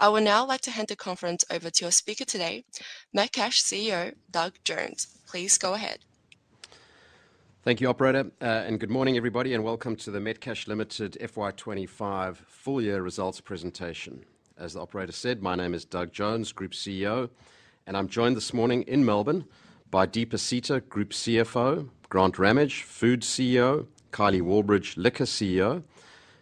I would now like to hand the conference over to our speaker today, Metcash CEO Doug Jones. Please go ahead. Thank you, Operator, and good morning, everybody, and welcome to the Metcash Limited FY25 Full-Year Results Presentation. As the Operator said, my name is Doug Jones, Group CEO, and I'm joined this morning in Melbourne by Deepa Sita, Group CFO, Grant Ramage, Food CEO, Kylie Wallbridge, Liquor CEO,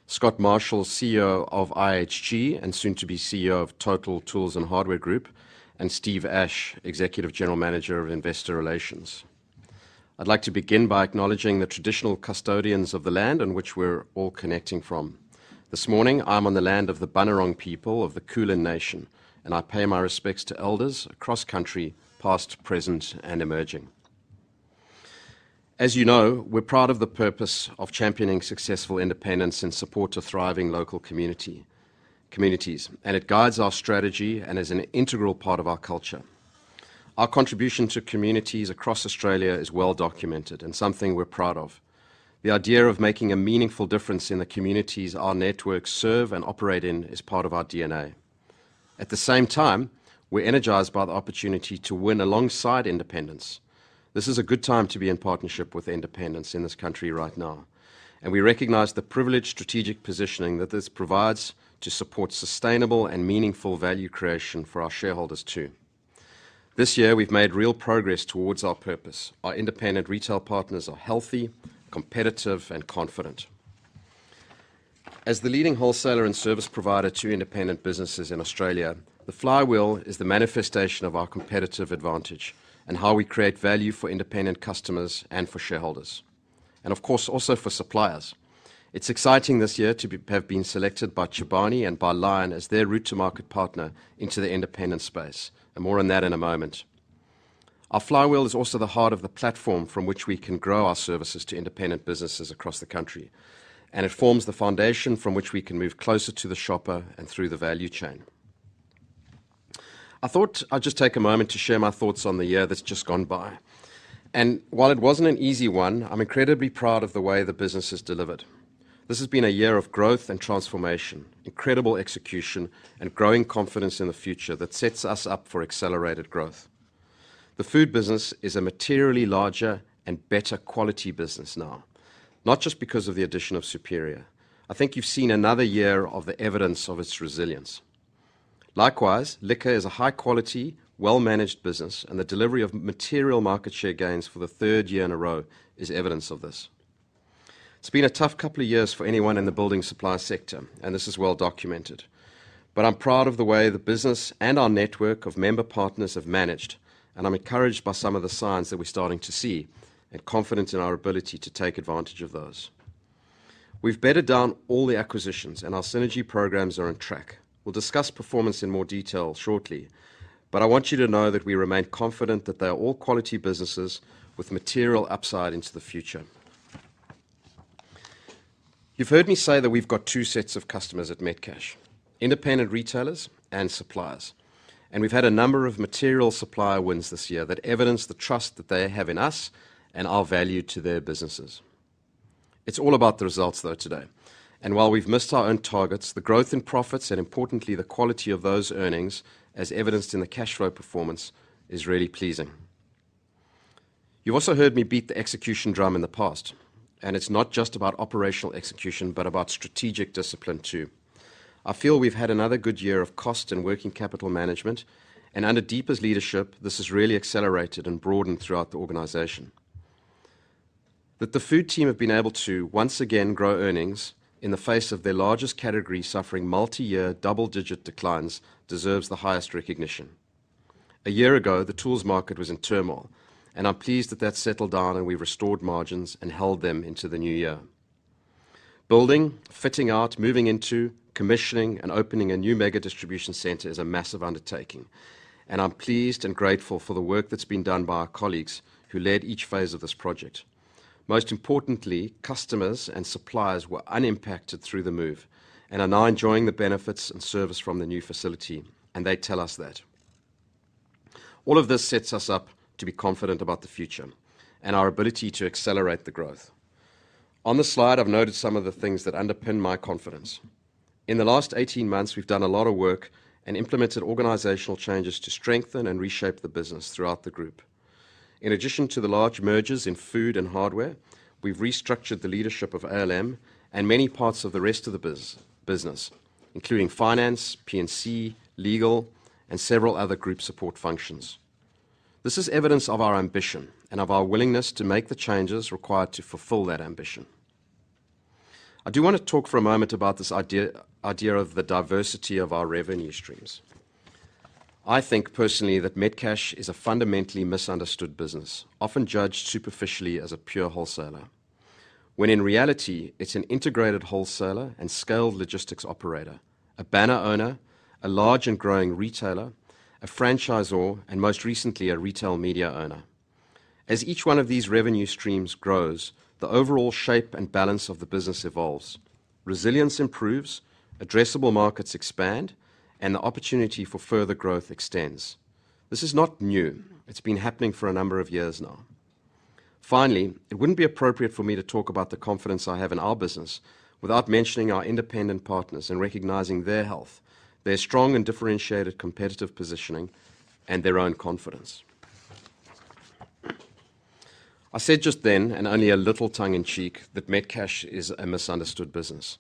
Scott Marshall, CEO of IHG and soon-to-be CEO of Total Tools and Hardware Group, and Steve Ashe, Executive General Manager of Investor Relations. I'd like to begin by acknowledging the traditional custodians of the land on which we're all connecting from. This morning, I'm on the land of the Bunurong people of the Kulin Nation, and I pay my respects to elders across country, past, present, and emerging. As you know, we're proud of the purpose of championing successful independence in support of thriving local communities, and it guides our strategy and is an integral part of our culture. Our contribution to communities across Australia is well documented and something we're proud of. The idea of making a meaningful difference in the communities our networks serve and operate in is part of our DNA. At the same time, we're energized by the opportunity to win alongside independence. This is a good time to be in partnership with independence in this country right now, and we recognize the privileged strategic positioning that this provides to support sustainable and meaningful value creation for our shareholders too. This year, we've made real progress towards our purpose. Our independent retail partners are healthy, competitive, and confident. As the leading wholesaler and service provider to independent businesses in Australia, the flywheel is the manifestation of our competitive advantage and how we create value for independent customers and for shareholders, and of course, also for suppliers. It's exciting this year to have been selected by Chobani and by Lion as their route-to-market partner into the independent space, and more on that in a moment. Our flywheel is also the heart of the platform from which we can grow our services to independent businesses across the country, and it forms the foundation from which we can move closer to the shopper and through the value chain. I thought I'd just take a moment to share my thoughts on the year that's just gone by. While it wasn't an easy one, I'm incredibly proud of the way the business has delivered. This has been a year of growth and transformation, incredible execution, and growing confidence in the future that sets us up for accelerated growth. The Food business is a materially larger and better quality business now, not just because of the addition of Superior. I think you've seen another year of the evidence of its resilience. Likewise, liquor is a high-quality, well-managed business, and the delivery of material market share gains for the third year in a row is evidence of this. It's been a tough couple of years for anyone in the building supply sector, and this is well documented. I am proud of the way the business and our network of member partners have managed, and I'm encouraged by some of the signs that we're starting to see and confident in our ability to take advantage of those. We've bettered down all the acquisitions, and our synergy programs are on track. We'll discuss performance in more detail shortly, but I want you to know that we remain confident that they are all quality businesses with material upside into the future. You've heard me say that we've got two sets of customers at Metcash: independent retailers and suppliers. We've had a number of material supplier wins this year that evidence the trust that they have in us and our value to their businesses. It's all about the results, though, today. While we've missed our own targets, the growth in profits and, importantly, the quality of those earnings, as evidenced in the cash flow performance, is really pleasing. You've also heard me beat the execution drum in the past, and it's not just about operational execution, but about strategic discipline too. I feel we've had another good year of cost and working capital management, and under Deepa's leadership, this has really accelerated and broadened throughout the organization. That the Food team have been able to once again grow earnings in the face of their largest category suffering multi-year double-digit declines deserves the highest recognition. A year ago, the tools market was in turmoil, and I'm pleased that that settled down and we've restored margins and held them into the new year. Building, fitting out, moving into, commissioning, and opening a new mega distribution center is a massive undertaking, and I'm pleased and grateful for the work that's been done by our colleagues who led each phase of this project. Most importantly, customers and suppliers were unimpacted through the move and are now enjoying the benefits and service from the new facility, and they tell us that. All of this sets us up to be confident about the future and our ability to accelerate the growth. On the slide, I've noted some of the things that underpin my confidence. In the last 18 months, we've done a lot of work and implemented organizational changes to strengthen and reshape the business throughout the group. In addition to the large mergers in Food and Hardware, we've restructured the leadership of ALM and many parts of the rest of the business, including Finance, P&C, Legal, and several other group support functions. This is evidence of our ambition and of our willingness to make the changes required to fulfill that ambition. I do want to talk for a moment about this idea of the diversity of our revenue streams. I think personally that Metcash is a fundamentally misunderstood business, often judged superficially as a pure wholesaler, when in reality, it's an integrated wholesaler and scaled logistics operator, a banner owner, a large and growing retailer, a franchisor, and most recently, a retail media owner. As each one of these revenue streams grows, the overall shape and balance of the business evolves. Resilience improves, addressable markets expand, and the opportunity for further growth extends. This is not new. It's been happening for a number of years now. Finally, it wouldn't be appropriate for me to talk about the confidence I have in our business without mentioning our independent partners and recognizing their health, their strong and differentiated competitive positioning, and their own confidence. I said just then, and only a little tongue in cheek, that Metcash is a misunderstood business.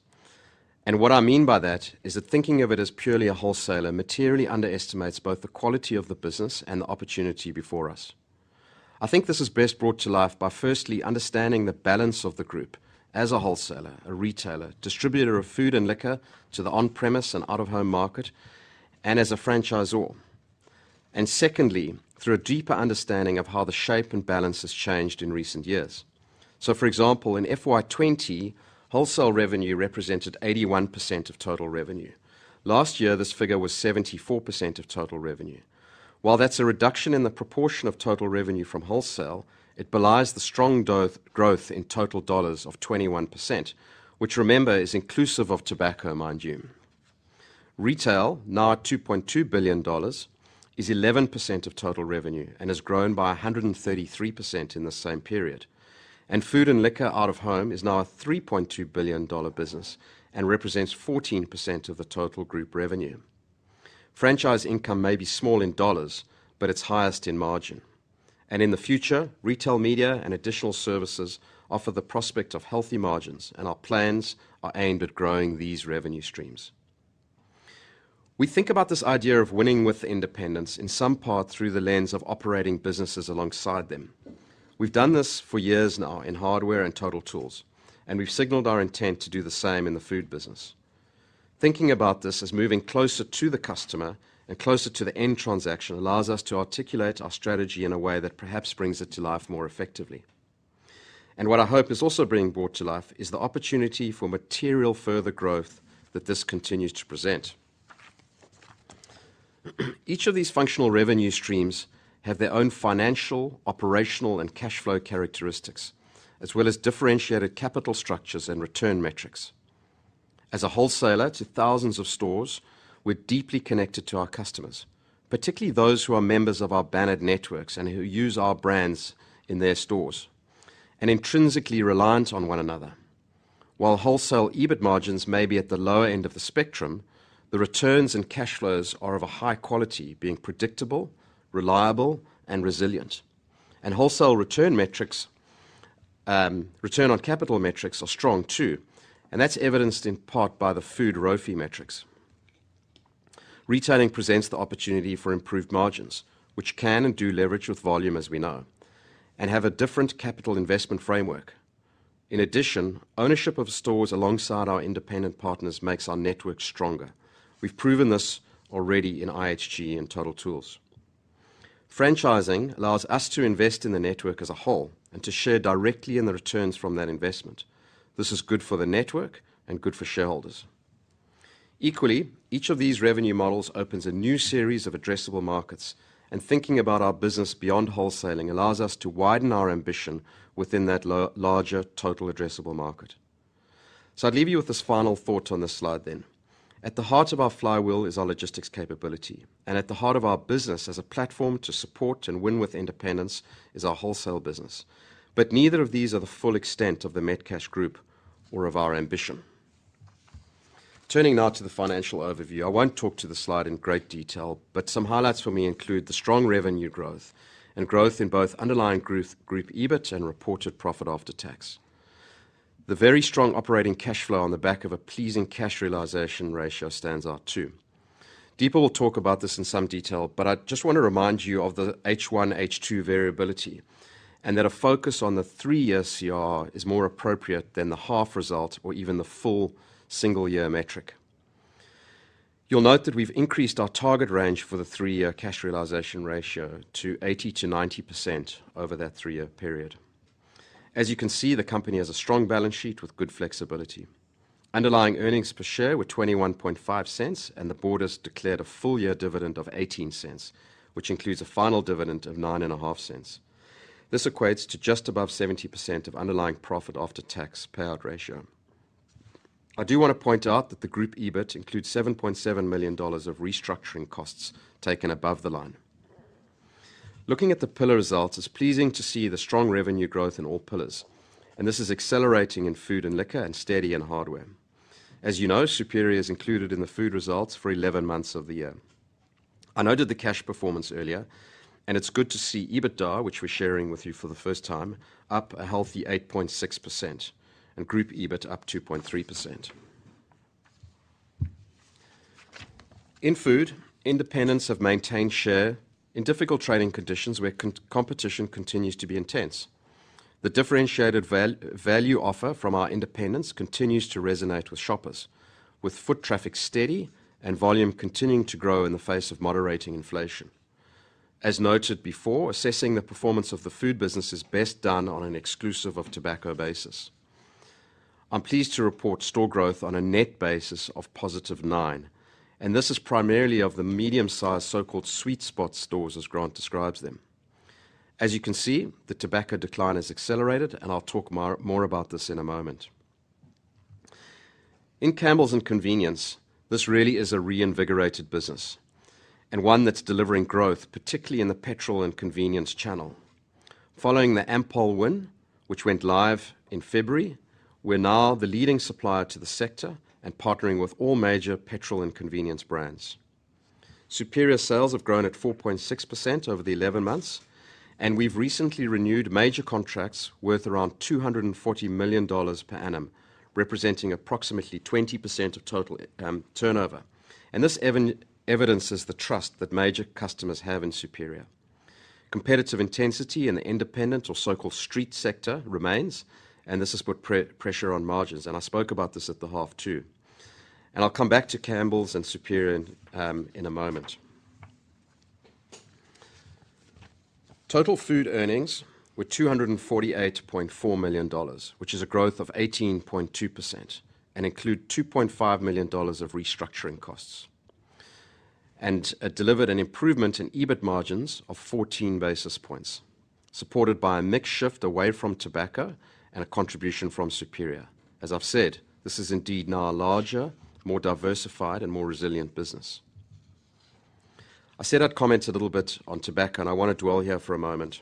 What I mean by that is that thinking of it as purely a wholesaler materially underestimates both the quality of the business and the opportunity before us. I think this is best brought to life by firstly understanding the balance of the group as a wholesaler, a retailer, distributor of food and liquor to the on-premise and out-of-home market, and as a franchisor. Secondly, through a deeper understanding of how the shape and balance has changed in recent years. For example, in FY2020, wholesale revenue represented 81% of total revenue. Last year, this figure was 74% of total revenue. While that's a reduction in the proportion of total revenue from wholesale, it belies the strong growth in total dollars of 21%, which, remember, is inclusive of tobacco, mind you. Retail, now at 2.2 billion dollars, is 11% of total revenue and has grown by 133% in the same period. Food and Liquor out of home is now a 3.2 billion dollar business and represents 14% of the total group revenue. Franchise income may be small in dollars, but it's highest in margin. In the future, retail media and additional services offer the prospect of healthy margins, and our plans are aimed at growing these revenue streams. We think about this idea of winning with independence in some part through the lens of operating businesses alongside them. We've done this for years now in Hardware and Total Tools, and we've signaled our intent to do the same in the Food business. Thinking about this as moving closer to the customer and closer to the end transaction allows us to articulate our strategy in a way that perhaps brings it to life more effectively. What I hope is also being brought to life is the opportunity for material further growth that this continues to present. Each of these functional revenue streams have their own financial, operational, and cash flow characteristics, as well as differentiated capital structures and return metrics. As a wholesaler to thousands of stores, we're deeply connected to our customers, particularly those who are members of our bannered networks and who use our brands in their stores, and intrinsically reliant on one another. While wholesale EBIT margins may be at the lower end of the spectrum, the returns and cash flows are of a high quality, being predictable, reliable, and resilient. Wholesale return metrics, return on capital metrics, are strong too, and that's evidenced in part by the Food ROFI metrics. Retailing presents the opportunity for improved margins, which can and do leverage with volume, as we know, and have a different capital investment framework. In addition, ownership of stores alongside our independent partners makes our network stronger. We've proven this already in IHG and Total Tools. Franchising allows us to invest in the network as a whole and to share directly in the returns from that investment. This is good for the network and good for shareholders. Equally, each of these revenue models opens a new series of addressable markets, and thinking about our business beyond wholesaling allows us to widen our ambition within that larger total addressable market. I'd leave you with this final thought on this slide then. At the heart of our flywheel is our logistics capability, and at the heart of our business as a platform to support and win with independence is our wholesale business. Neither of these are the full extent of the Metcash Group or of our ambition. Turning now to the financial overview, I won't talk to the slide in great detail, but some highlights for me include the strong revenue growth and growth in both underlying group EBIT and reported profit after tax. The very strong operating cash flow on the back of a pleasing cash realization ratio stands out too. Deepa will talk about this in some detail, but I just want to remind you of the H1, H2 variability and that a focus on the three-year CR is more appropriate than the half result or even the full single-year metric. You'll note that we've increased our target range for the three-year cash realization ratio to 80%-90% over that three-year period. As you can see, the company has a strong balance sheet with good flexibility. Underlying earnings per share were 0.215, and the board has declared a full-year dividend of 0.18, which includes a final dividend of 0.095. This equates to just above 70% of underlying profit after tax payout ratio. I do want to point out that the group EBIT includes 7.7 million dollars of restructuring costs taken above the line. Looking at the pillar results, it's pleasing to see the strong revenue growth in all pillars, and this is accelerating in Food and Liquor and steady in Hardware. As you know, Superior is included in the Food results for 11 months of the year. I noted the cash performance earlier, and it's good to see EBITDA, which we're sharing with you for the first time, up a healthy 8.6% and group EBIT up 2.3%. In Food, independents have maintained share in difficult trading conditions where competition continues to be intense. The differentiated value offer from our independents continues to resonate with shoppers, with foot traffic steady and volume continuing to grow in the face of moderating inflation. As noted before, assessing the performance of the Food business is best done on an exclusive of tobacco basis. I'm pleased to report store growth on a net basis of positive nine, and this is primarily of the medium-sized so-called sweet spot stores as Grant describes them. As you can see, the tobacco decline has accelerated, and I'll talk more about this in a moment. In Campbell's and Convenience, this really is a reinvigorated business and one that's delivering growth, particularly in the petrol and Convenience channel. Following the Ampol win, which went live in February, we're now the leading supplier to the sector and partnering with all major petrol and Convenience brands. Superior sales have grown at 4.6% over the 11 months, and we've recently renewed major contracts worth around 240 million dollars per annum, representing approximately 20% of total turnover. This evidences the trust that major customers have in Superior. Competitive intensity in the independent or so-called street sector remains, and this has put pressure on margins, and I spoke about this at the half too. I'll come back to Campbell's and Superior in a moment. Total Food earnings were 248.4 million dollars, which is a growth of 18.2% and include 2.5 million dollars of restructuring costs. It delivered an improvement in EBIT margins of 14 basis points, supported by a mix shift away from tobacco and a contribution from Superior. As I have said, this is indeed now a larger, more diversified, and more resilient business. I said I would comment a little bit on tobacco, and I want to dwell here for a moment.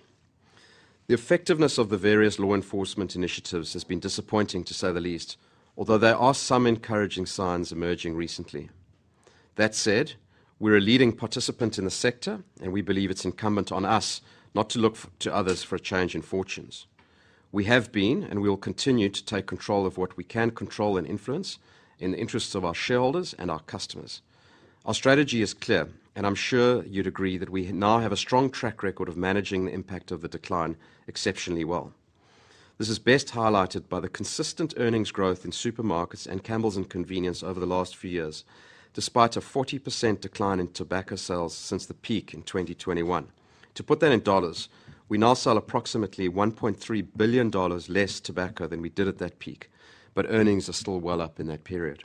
The effectiveness of the various law enforcement initiatives has been disappointing, to say the least, although there are some encouraging signs emerging recently. That said, we are a leading participant in the sector, and we believe it is incumbent on us not to look to others for a change in fortunes. We have been and will continue to take control of what we can control and influence in the interests of our shareholders and our customers. Our strategy is clear, and I'm sure you'd agree that we now have a strong track record of managing the impact of the decline exceptionally well. This is best highlighted by the consistent earnings growth in supermarkets and Campbell's and Convenience over the last few years, despite a 40% decline in tobacco sales since the peak in 2021. To put that in dollars, we now sell approximately 1.3 billion dollars less tobacco than we did at that peak, but earnings are still well up in that period.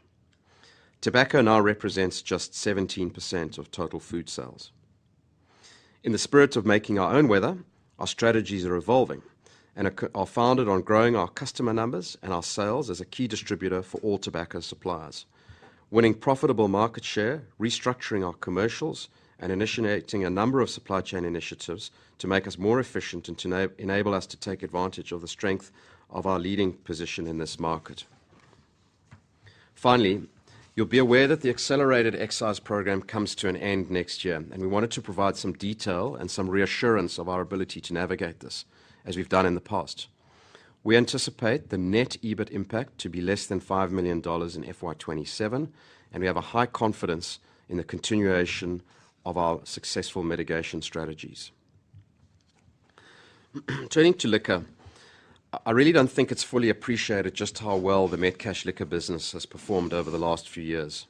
Tobacco now represents just 17% of total Food sales. In the spirit of making our own weather, our strategies are evolving, and are founded on growing our customer numbers and our sales as a key distributor for all tobacco suppliers, winning profitable market share, restructuring our commercials, and initiating a number of supply chain initiatives to make us more efficient and to enable us to take advantage of the strength of our leading position in this market. Finally, you'll be aware that the accelerated excise program comes to an end next year, and we wanted to provide some detail and some reassurance of our ability to navigate this as we've done in the past. We anticipate the net EBIT impact to be less than 5 million dollars in FY2027, and we have a high confidence in the continuation of our successful mitigation strategies. Turning to Liquor, I really don't think it's fully appreciated just how well the Metcash Liquor business has performed over the last few years.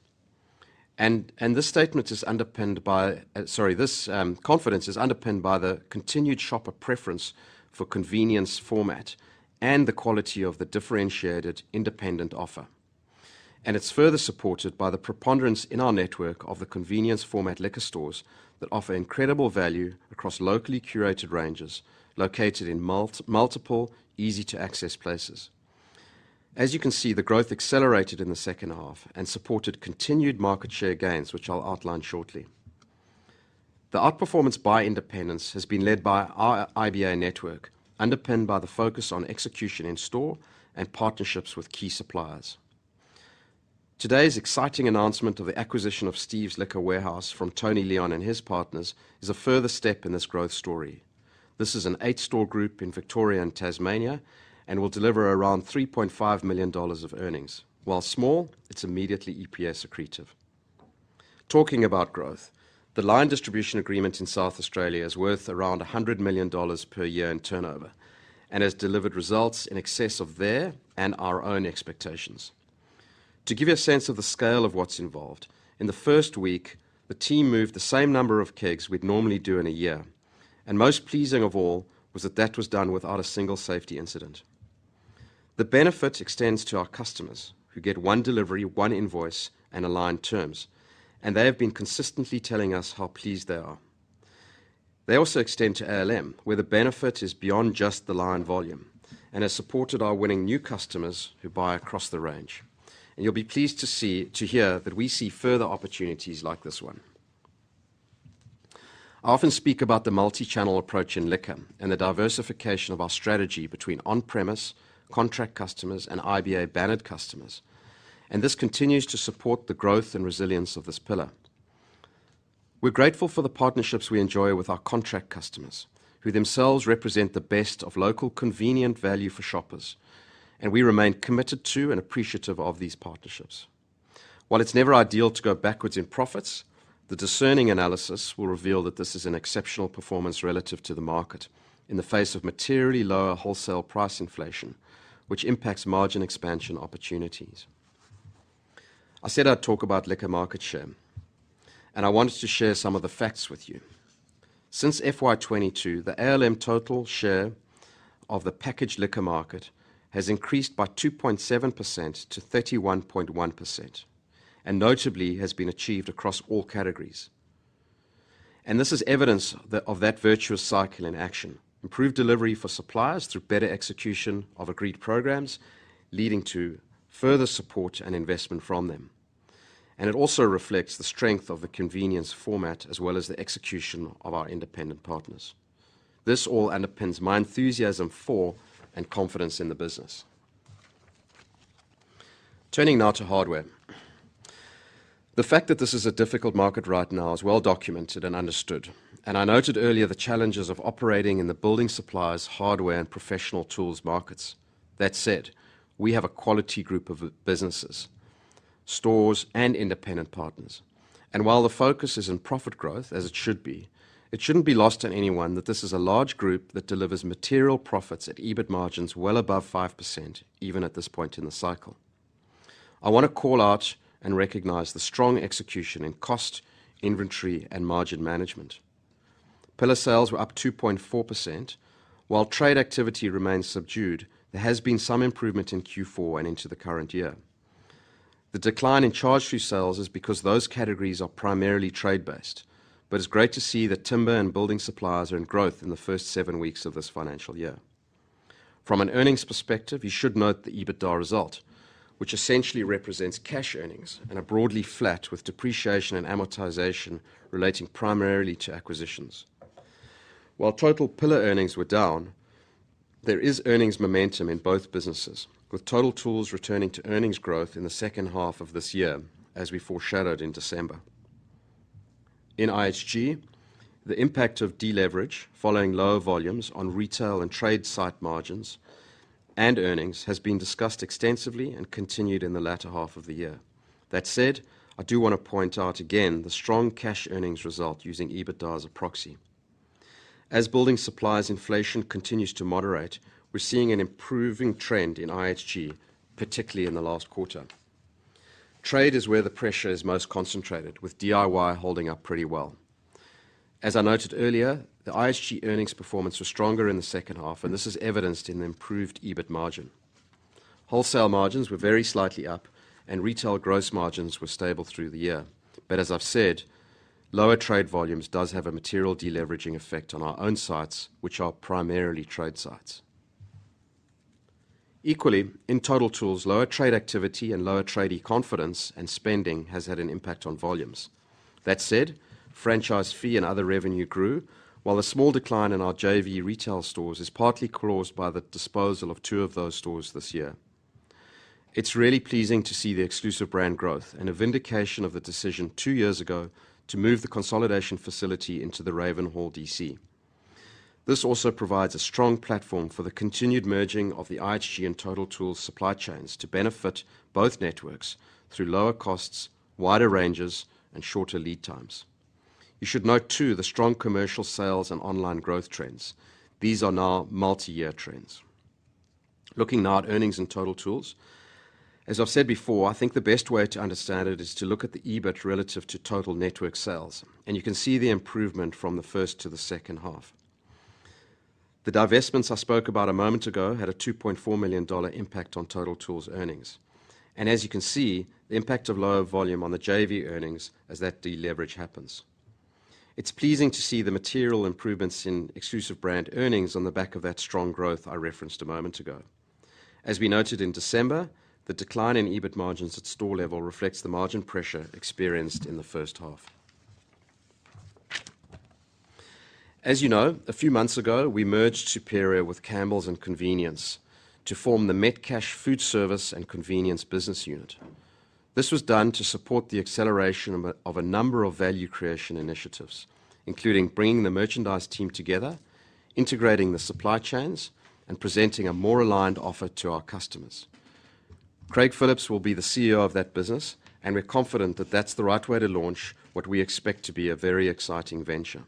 This confidence is underpinned by the continued shopper preference for Convenience format and the quality of the differentiated independent offer. It is further supported by the preponderance in our network of the Convenience format liquor stores that offer incredible value across locally curated ranges located in multiple, easy-to-access places. As you can see, the growth accelerated in the second half and supported continued market share gains, which I'll outline shortly. The outperformance by independents has been led by our IBA network, underpinned by the focus on execution in store and partnerships with key suppliers. Today's exciting announcement of the acquisition of Steve's Liquor Warehouse from Tony Leon and his partners is a further step in this growth story. This is an eight-store group in Victoria and Tasmania and will deliver around 3.5 million dollars of earnings. While small, it's immediately EPS accretive. Talking about growth, the Lion distribution agreement in South Australia is worth around 100 million dollars per year in turnover and has delivered results in excess of their and our own expectations. To give you a sense of the scale of what's involved, in the first week, the team moved the same number of kegs we'd normally do in a year. Most pleasing of all was that that was done without a single safety incident. The benefit extends to our customers who get one delivery, one invoice, and aligned terms, and they have been consistently telling us how pleased they are. They also extend to LLM, where the benefit is beyond just the Lion volume and has supported our winning new customers who buy across the range. You will be pleased to hear that we see further opportunities like this one. I often speak about the multi-channel approach in Liquor and the diversification of our strategy between on-premise, contract customers, and IBA bannered customers, and this continues to support the growth and resilience of this pillar. We are grateful for the partnerships we enjoy with our contract customers, who themselves represent the best of local convenient value for shoppers, and we remain committed to and appreciative of these partnerships. While it is never ideal to go backwards in profits, the discerning analysis will reveal that this is an exceptional performance relative to the market in the face of materially lower wholesale price inflation, which impacts margin expansion opportunities. I said I would talk about liquor market share, and I wanted to share some of the facts with you. Since FY2022, the LLM total share of the packaged liquor market has increased by 2.7% to 31.1% and notably has been achieved across all categories. This is evidence of that virtuous cycle in action, improved delivery for suppliers through better execution of agreed programs, leading to further support and investment from them. It also reflects the strength of the Convenience format as well as the execution of our independent partners. This all underpins my enthusiasm for and confidence in the business. Turning now to Hardware. The fact that this is a difficult market right now is well documented and understood, and I noted earlier the challenges of operating in the building suppliers, hardware, and professional tools markets. That said, we have a quality group of businesses, stores, and independent partners. While the focus is in profit growth, as it should be, it shouldn't be lost to anyone that this is a large group that delivers material profits at EBIT margins well above 5%, even at this point in the cycle. I want to call out and recognize the strong execution in cost, inventory, and margin management. Pillar sales were up 2.4%. While trade activity remains subdued, there has been some improvement in Q4 and into the current year. The decline in charge free sales is because those categories are primarily trade-based, but it's great to see that timber and building suppliers are in growth in the first seven weeks of this financial year. From an earnings perspective, you should note the EBITDA result, which essentially represents cash earnings and are broadly flat with depreciation and amortization relating primarily to acquisitions. While total pillar earnings were down, there is earnings momentum in both businesses, with Total Tools returning to earnings growth in the second half of this year, as we foreshadowed in December. In IHG, the impact of deleverage following lower volumes on retail and trade site margins and earnings has been discussed extensively and continued in the latter half of the year. That said, I do want to point out again the strong cash earnings result using EBITDA as a proxy. As building supplies inflation continues to moderate, we're seeing an improving trend in IHG, particularly in the last quarter. Trade is where the pressure is most concentrated, with DIY holding up pretty well. As I noted earlier, the IHG earnings performance was stronger in the second half, and this is evidenced in the improved EBIT margin. Wholesale margins were very slightly up, and retail gross margins were stable through the year. As I've said, lower trade volumes do have a material deleveraging effect on our own sites, which are primarily trade sites. Equally, in Total Tools, lower trade activity and lower trade confidence and spending has had an impact on volumes. That said, franchise fee and other revenue grew, while a small decline in our JV retail stores is partly caused by the disposal of two of those stores this year. It's really pleasing to see the exclusive brand growth and a vindication of the decision two years ago to move the consolidation facility into the Ravenhall DC. This also provides a strong platform for the continued merging of the IHG and Total Tools supply chains to benefit both networks through lower costs, wider ranges, and shorter lead times. You should note too the strong commercial sales and online growth trends. These are now multi-year trends. Looking now at earnings and Total Tools, as I've said before, I think the best way to understand it is to look at the EBIT relative to total network sales, and you can see the improvement from the first to the second half. The divestments I spoke about a moment ago had a 2.4 million dollar impact on Total Tools earnings. As you can see, the impact of lower volume on the JV earnings as that deleverage happens. It's pleasing to see the material improvements in exclusive brand earnings on the back of that strong growth I referenced a moment ago. As we noted in December, the decline in EBIT margins at store level reflects the margin pressure experienced in the first half. As you know, a few months ago, we merged Superior with Campbell's and Convenience to form the Metcash Food Service and Convenience business unit. This was done to support the acceleration of a number of value creation initiatives, including bringing the merchandise team together, integrating the supply chains, and presenting a more aligned offer to our customers. Craig Phillips will be the CEO of that business, and we're confident that that's the right way to launch what we expect to be a very exciting venture.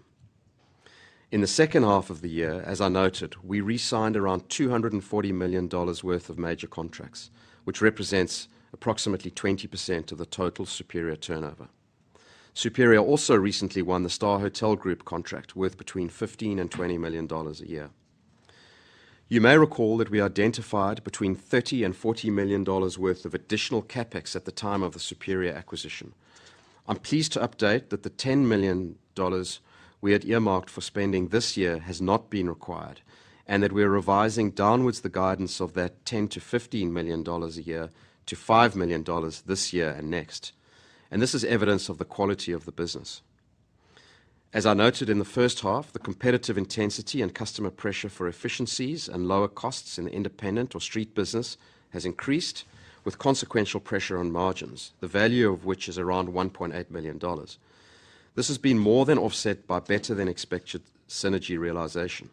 In the second half of the year, as I noted, we re-signed around 240 million dollars worth of major contracts, which represents approximately 20% of the total Superior turnover. Superior also recently won the Star Hotel Group contract worth between 15 million and 20 million dollars a year. You may recall that we identified between 30 million and 40 million dollars worth of additional CapEx at the time of the Superior acquisition. I'm pleased to update that the 10 million dollars we had earmarked for spending this year has not been required and that we're revising downwards the guidance of that 10 million-15 million dollars a year to 5 million dollars this year and next. This is evidence of the quality of the business. As I noted in the first half, the competitive intensity and customer pressure for efficiencies and lower costs in independent or street business has increased with consequential pressure on margins, the value of which is around 1.8 million dollars. This has been more than offset by better-than-expected synergy realization.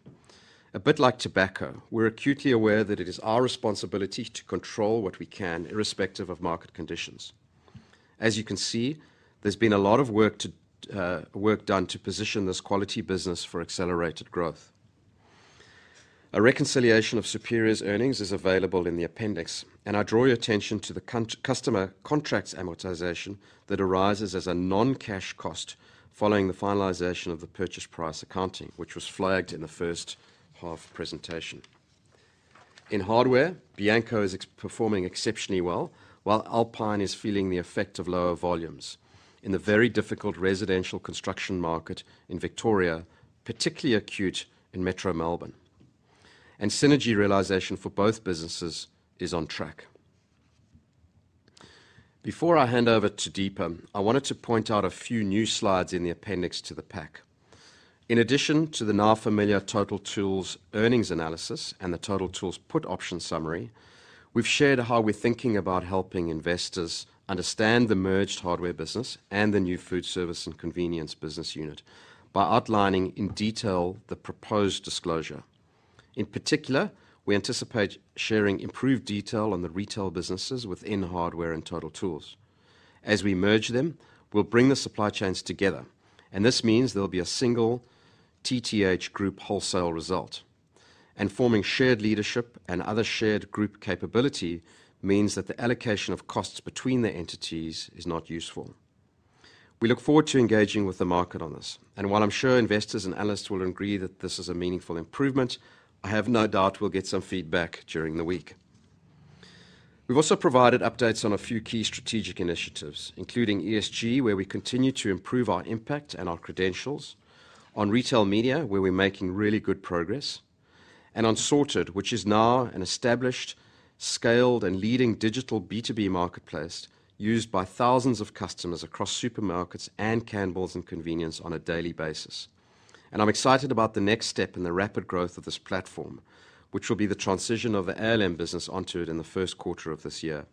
A bit like tobacco, we're acutely aware that it is our responsibility to control what we can, irrespective of market conditions. As you can see, there's been a lot of work done to position this quality business for accelerated growth. A reconciliation of Superior's earnings is available in the appendix, and I draw your attention to the customer contracts amortization that arises as a non-cash cost following the finalization of the purchase price accounting, which was flagged in the first half presentation. In Hardware, Bianco is performing exceptionally well, while Alpine is feeling the effect of lower volumes in the very difficult residential construction market in Victoria, particularly acute in Metro Melbourne. Synergy realization for both businesses is on track. Before I hand over to Deepa, I wanted to point out a few new slides in the appendix to the pack. In addition to the now familiar Total Tools earnings analysis and the Total Tools put option summary, we've shared how we're thinking about helping investors understand the merged hardware business and the new Food Service and Convenience business unit by outlining in detail the proposed disclosure. In particular, we anticipate sharing improved detail on the retail businesses within Hardware and Total Tools. As we merge them, we'll bring the supply chains together, and this means there'll be a single TTH Group wholesale result. Forming shared leadership and other shared group capability means that the allocation of costs between the entities is not useful. We look forward to engaging with the market on this. While I'm sure investors and analysts will agree that this is a meaningful improvement, I have no doubt we'll get some feedback during the week. have also provided updates on a few key strategic initiatives, including ESG, where we continue to improve our impact and our credentials, on retail media, where we are making really good progress, and on Sorted, which is now an established, scaled, and leading digital B2B marketplace used by thousands of customers across supermarkets and Campbell's and Convenience on a daily basis. I am excited about the next step in the rapid growth of this platform, which will be the transition of the LLM business onto it in the first quarter of this year.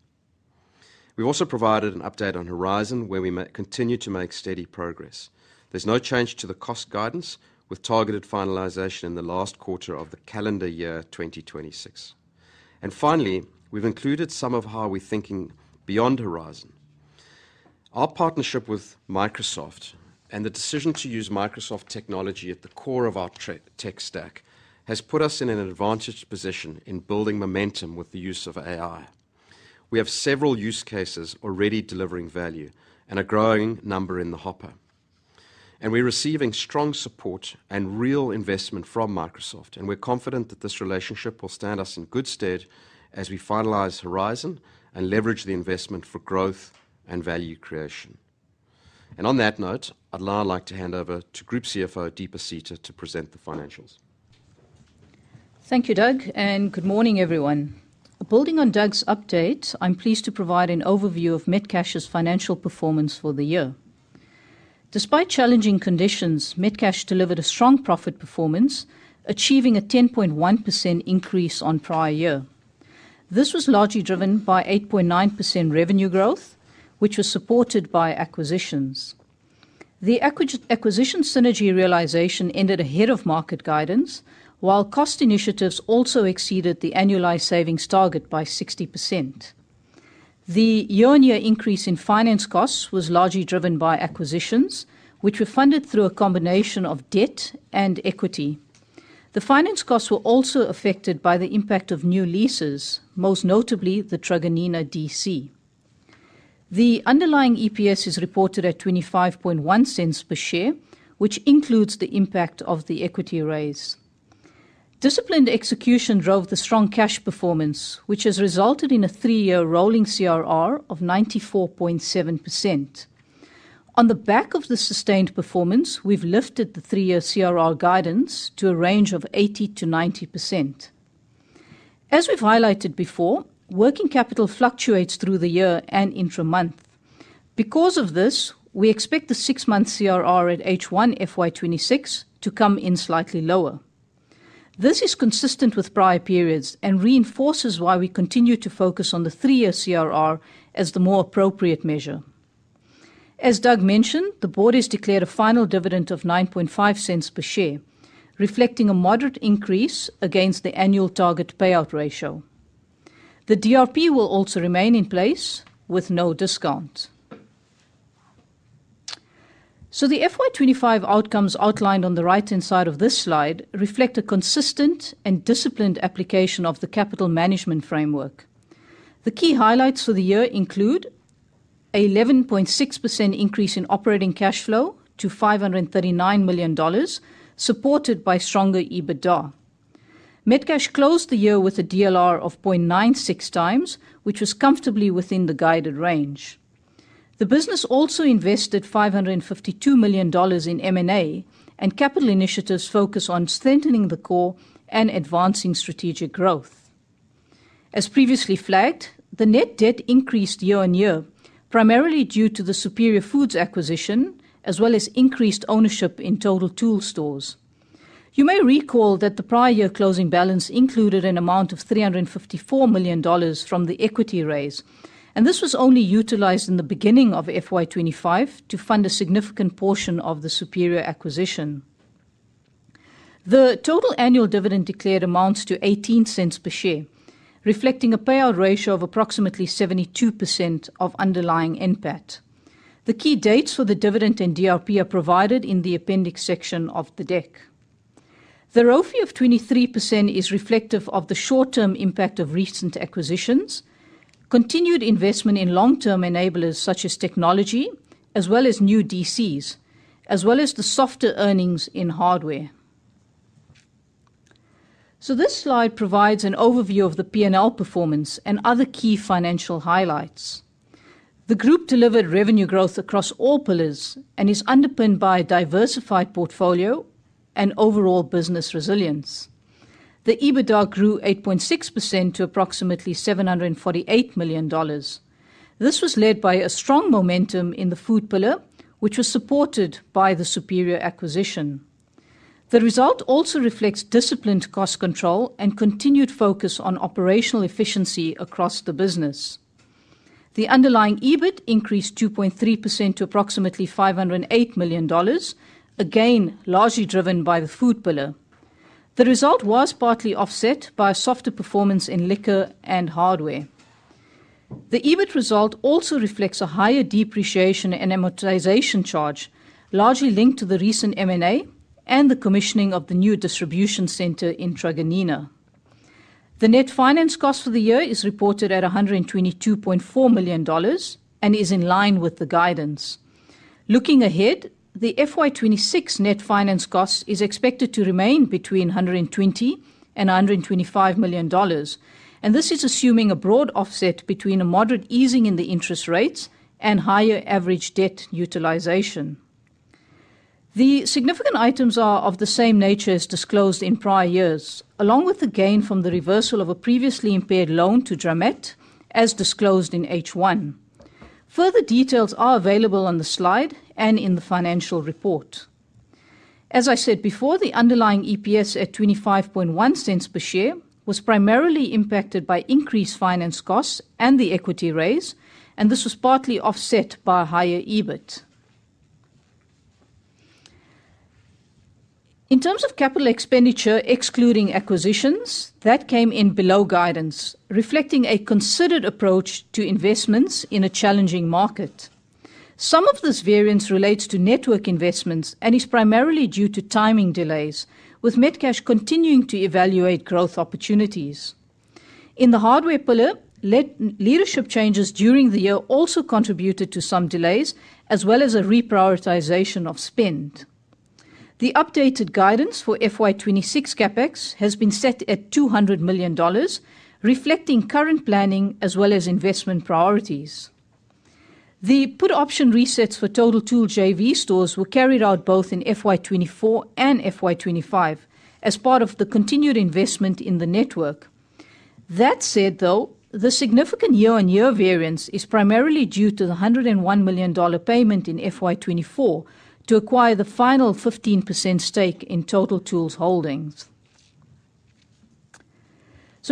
We have also provided an update on Horizon, where we continue to make steady progress. There is no change to the cost guidance, with targeted finalization in the last quarter of the calendar year 2026. Finally, we have included some of how we are thinking beyond Horizon. Our partnership with Microsoft and the decision to use Microsoft technology at the core of our tech stack has put us in an advantaged position in building momentum with the use of AI. We have several use cases already delivering value and a growing number in the hopper. We are receiving strong support and real investment from Microsoft, and we are confident that this relationship will stand us in good stead as we finalize Horizon and leverage the investment for growth and value creation. On that note, I would now like to hand over to Group CFO, Deepa Sita, to present the financials. Thank you, Doug, and good morning, everyone. Building on Doug's update, I am pleased to provide an overview of Metcash's financial performance for the year. Despite challenging conditions, Metcash delivered a strong profit performance, achieving a 10.1% increase on prior year. This was largely driven by 8.9% revenue growth, which was supported by acquisitions. The acquisition synergy realization ended ahead of market guidance, while cost initiatives also exceeded the annualized savings target by 60%. The year-on-year increase in finance costs was largely driven by acquisitions, which were funded through a combination of debt and equity. The finance costs were also affected by the impact of new leases, most notably the Truganina DC. The underlying EPS is reported at 0.251 per share, which includes the impact of the equity raise. Disciplined execution drove the strong cash performance, which has resulted in a three-year rolling CRR of 94.7%. On the back of the sustained performance, we've lifted the three-year CRR guidance to a range of 80%-90%. As we've highlighted before, working capital fluctuates through the year and intramonth. Because of this, we expect the six-month CRR at H1 FY2026 to come in slightly lower. This is consistent with prior periods and reinforces why we continue to focus on the three-year CRR as the more appropriate measure. As Doug mentioned, the board has declared a final dividend of 0.095 per share, reflecting a moderate increase against the annual target payout ratio. The DRP will also remain in place with no discount. The FY2025 outcomes outlined on the right-hand side of this slide reflect a consistent and disciplined application of the capital management framework. The key highlights for the year include an 11.6% increase in operating cash flow to 539 million dollars, supported by stronger EBITDA. Metcash closed the year with a DLR of 0.96x, which was comfortably within the guided range. The business also invested 552 million dollars in M&A, and capital initiatives focus on strengthening the core and advancing strategic growth. As previously flagged, the net debt increased year on year, primarily due to the Superior Foods acquisition, as well as increased ownership in Total Tools stores. You may recall that the prior year closing balance included an amount of 354 million dollars from the equity raise, and this was only utilized in the beginning of fiscal year 2025 to fund a significant portion of the Superior acquisition. The total annual dividend declared amounts to 0.18 per share, reflecting a payout ratio of approximately 72% of underlying NPAT. The key dates for the dividend and DRP are provided in the appendix section of the deck. The ROFI of 23% is reflective of the short-term impact of recent acquisitions, continued investment in long-term enablers such as technology, as well as new DCs, as well as the softer earnings in Hardware. This slide provides an overview of the P&L performance and other key financial highlights. The group delivered revenue growth across all pillars and is underpinned by a diversified portfolio and overall business resilience. The EBITDA grew 8.6% to approximately 748 million dollars. This was led by a strong momentum in the Food pillar, which was supported by the Superior acquisition. The result also reflects disciplined cost control and continued focus on operational efficiency across the business. The underlying EBIT increased 2.3% to approximately 508 million dollars, again largely driven by the Food pillar. The result was partly offset by softer performance in Liquor and Hardware. The EBIT result also reflects a higher depreciation and amortization charge, largely linked to the recent M&A and the commissioning of the new distribution center in Truganina. The net finance cost for the year is reported at 122.4 million dollars and is in line with the guidance. Looking ahead, the FY2026 net finance cost is expected to remain between 120 million and 125 million dollars, and this is assuming a broad offset between a moderate easing in the interest rates and higher average debt utilization. The significant items are of the same nature as disclosed in prior years, along with the gain from the reversal of a previously impaired loan to Dramet, as disclosed in H1. Further details are available on the slide and in the financial report. As I said before, the underlying EPS at 0.251 per share was primarily impacted by increased finance costs and the equity raise, and this was partly offset by higher EBIT. In terms of capital expenditure excluding acquisitions, that came in below guidance, reflecting a considered approach to investments in a challenging market. Some of this variance relates to network investments and is primarily due to timing delays, with Metcash continuing to evaluate growth opportunities. In the Hardware pillar, leadership changes during the year also contributed to some delays, as well as a reprioritization of spend. The updated guidance for FY2026 CapEx has been set at 200 million dollars, reflecting current planning as well as investment priorities. The put option resets for Total Tools JV stores were carried out both in FY2024 and FY2025 as part of the continued investment in the network. That said, though, the significant year-on-year variance is primarily due to the 101 million dollar payment in FY2024 to acquire the final 15% stake in Total Tools Holdings.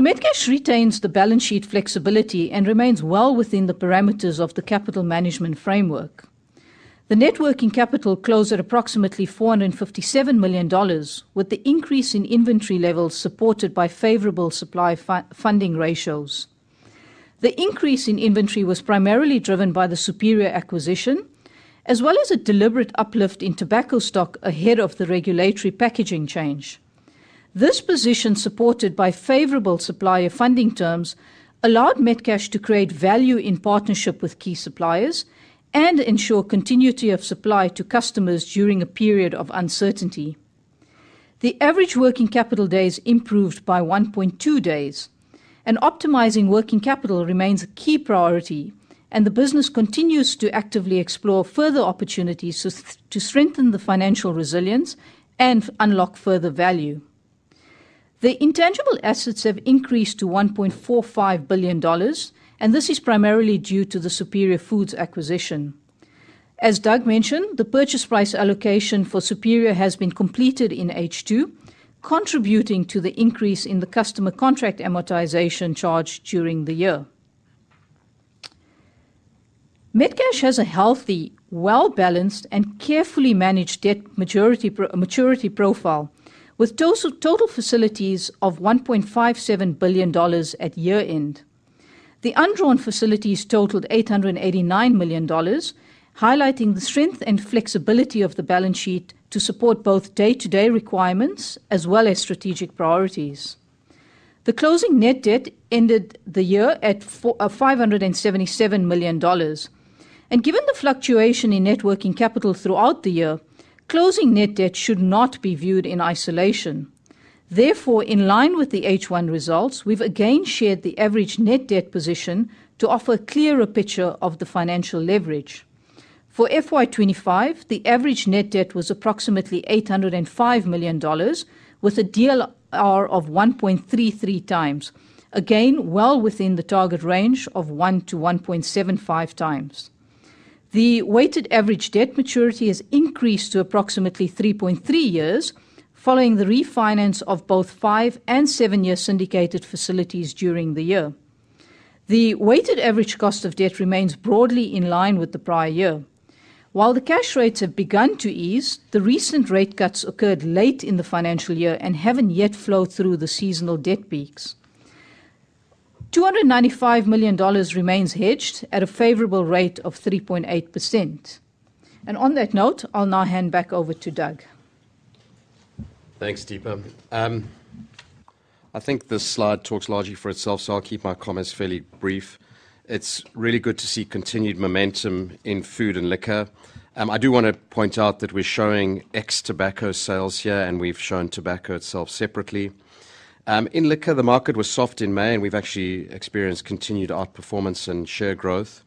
Metcash retains the balance sheet flexibility and remains well within the parameters of the capital management framework. The networking capital closed at approximately 457 million dollars, with the increase in inventory levels supported by favorable supply funding ratios. The increase in inventory was primarily driven by the Superior acquisition, as well as a deliberate uplift in tobacco stock ahead of the regulatory packaging change. This position, supported by favorable supplier funding terms, allowed Metcash to create value in partnership with key suppliers and ensure continuity of supply to customers during a period of uncertainty. The average working capital days improved by 1.2 days, and optimizing working capital remains a key priority, and the business continues to actively explore further opportunities to strengthen the financial resilience and unlock further value. The intangible assets have increased to 1.45 billion dollars, and this is primarily due to the Superior Foods acquisition. As Doug mentioned, the purchase price allocation for Superior has been completed in H2, contributing to the increase in the customer contract amortization charge during the year. Metcash has a healthy, well-balanced, and carefully managed debt maturity profile, with total facilities of 1.57 billion dollars at year-end. The undrawn facilities totaled 889 million dollars, highlighting the strength and flexibility of the balance sheet to support both day-to-day requirements as well as strategic priorities. The closing net debt ended the year at 577 million dollars. Given the fluctuation in networking capital throughout the year, closing net debt should not be viewed in isolation. Therefore, in line with the H1 results, we've again shared the average net debt position to offer a clearer picture of the financial leverage. For FY2025, the average net debt was approximately 805 million dollars, with a DLR of 1.33x, again well within the target range of 1x-1.75x. The weighted average debt maturity has increased to approximately 3.3 years, following the refinance of both five and seven-year syndicated facilities during the year. The weighted average cost of debt remains broadly in line with the prior year. While the cash rates have begun to ease, the recent rate cuts occurred late in the financial year and haven't yet flowed through the seasonal debt peaks. 295 million dollars remains hedged at a favorable rate of 3.8%. On that note, I'll now hand back over to Doug. Thanks, Deepa. I think this slide talks largely for itself, so I'll keep my comments fairly brief. It's really good to see continued momentum in Food and Liquor. I do want to point out that we're showing ex-tobacco sales here, and we've shown tobacco itself separately. In Liquor, the market was soft in May, and we've actually experienced continued outperformance and share growth.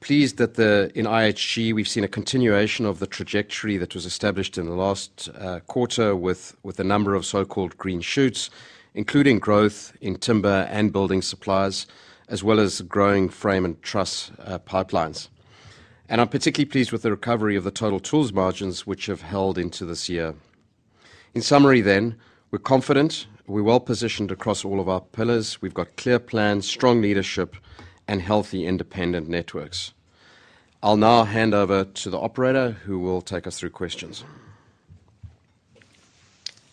Pleased that in IHG, we've seen a continuation of the trajectory that was established in the last quarter with a number of so-called green shoots, including growth in timber and building supplies, as well as growing frame and truss pipelines. I'm particularly pleased with the recovery of the Total Tools margins, which have held into this year. In summary then, we're confident, we're well positioned across all of our pillars, we've got clear plans, strong leadership, and healthy independent networks. I'll now hand over to the operator, who will take us through questions.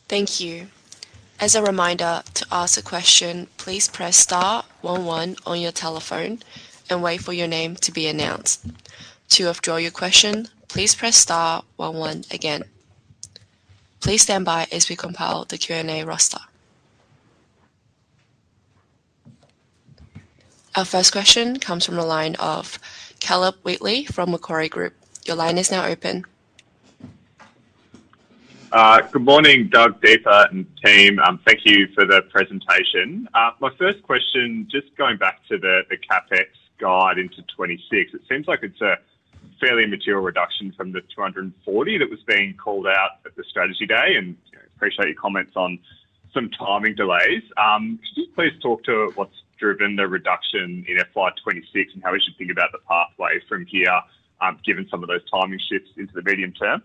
Thank you. As a reminder, to ask a question, please press star one one on your telephone and wait for your name to be announced. To withdraw your question, please press star one one again. Please stand by as we compile the Q and A roster. Our first question comes from the line of Caleb Wheatley from Macquarie Group. Your line is now open. Good morning, Doug, Deepa, and team. Thank you for the presentation. My first question, just going back to the CapEx guide into 2026, it seems like it's a fairly material reduction from the 240 million that was being called out at the strategy day, and I appreciate your comments on some timing delays. Could you please talk to what's driven the reduction in FY2026 and how we should think about the pathway from here, given some of those timing shifts into the medium term?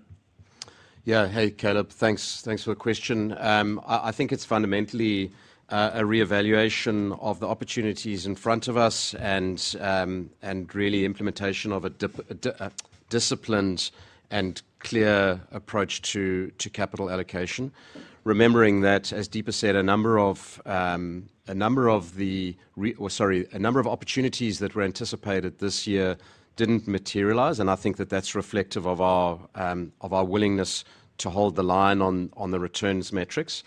Yeah, hey, Caleb, thanks for the question. I think it's fundamentally a re-evaluation of the opportunities in front of us and really implementation of a disciplined and clear approach to capital allocation, remembering that, as Deepa said, a number of the, or sorry, a number of opportunities that were anticipated this year didn't materialize, and I think that that's reflective of our willingness to hold the line on the returns metrics.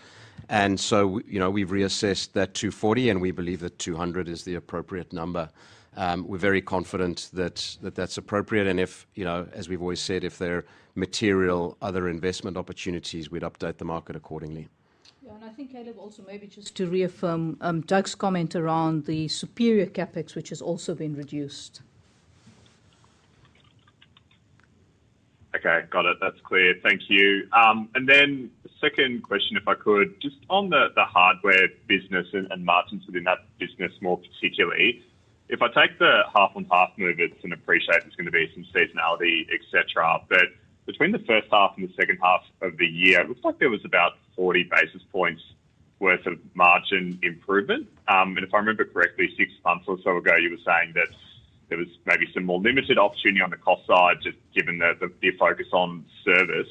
We have reassessed that 240 million, and we believe that 200 million is the appropriate number. We're very confident that that's appropriate, and as we've always said, if there are material other investment opportunities, we'd update the market accordingly. Yeah, and I think, Caleb, also maybe just to reaffirm Doug's comment around the Superior CapEx, which has also been reduced. Okay, got it. That's clear. Thank you. Then second question, if I could, just on the hardware business and margins within that business more particularly. If I take the half-on-half move, it's an appreciation, there's going to be some seasonality, etc. Between the first half and the second half of the year, it looks like there was about 40 basis points worth of margin improvement. If I remember correctly, six months or so ago, you were saying that there was maybe some more limited opportunity on the cost side, just given the focus on service.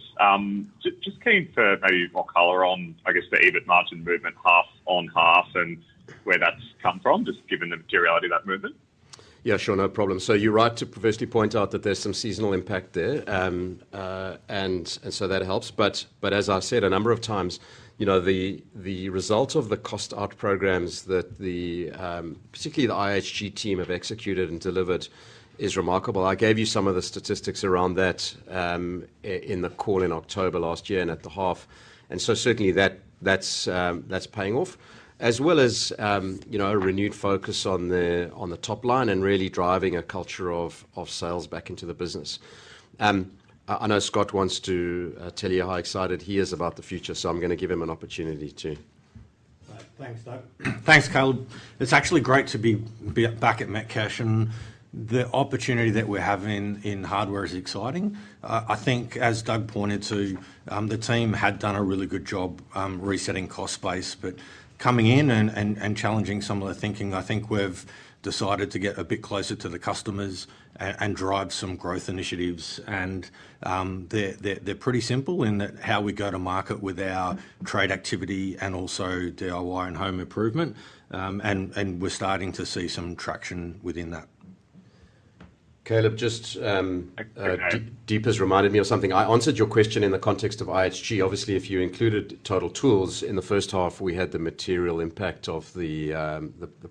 Just keen for maybe more color on, I guess, the EBIT margin movement half-on-half and where that's come from, just given the materiality of that movement. Yeah, sure, no problem. You're right to perversely point out that there's some seasonal impact there, and that helps. As I said a number of times, the result of the cost-out programs that particularly the IHG team have executed and delivered is remarkable. I gave you some of the statistics around that in the call in October last year and at the half. Certainly that's paying off, as well as a renewed focus on the top line and really driving a culture of sales back into the business. I know Scott wants to tell you how excited he is about the future, so I'm going to give him an opportunity too. Thanks, Doug. Thanks, Caleb. It's actually great to be back at Metcash, and the opportunity that we're having in Hardware is exciting. I think, as Doug pointed to, the team had done a really good job resetting cost base, but coming in and challenging some of the thinking, I think we've decided to get a bit closer to the customers and drive some growth initiatives. They're pretty simple in that how we go to market with our trade activity and also DIY and home improvement, and we're starting to see some traction within that. Caleb, just Deepa's reminded me of something. I answered your question in the context of IHG. Obviously, if you included Total Tools in the first half, we had the material impact of the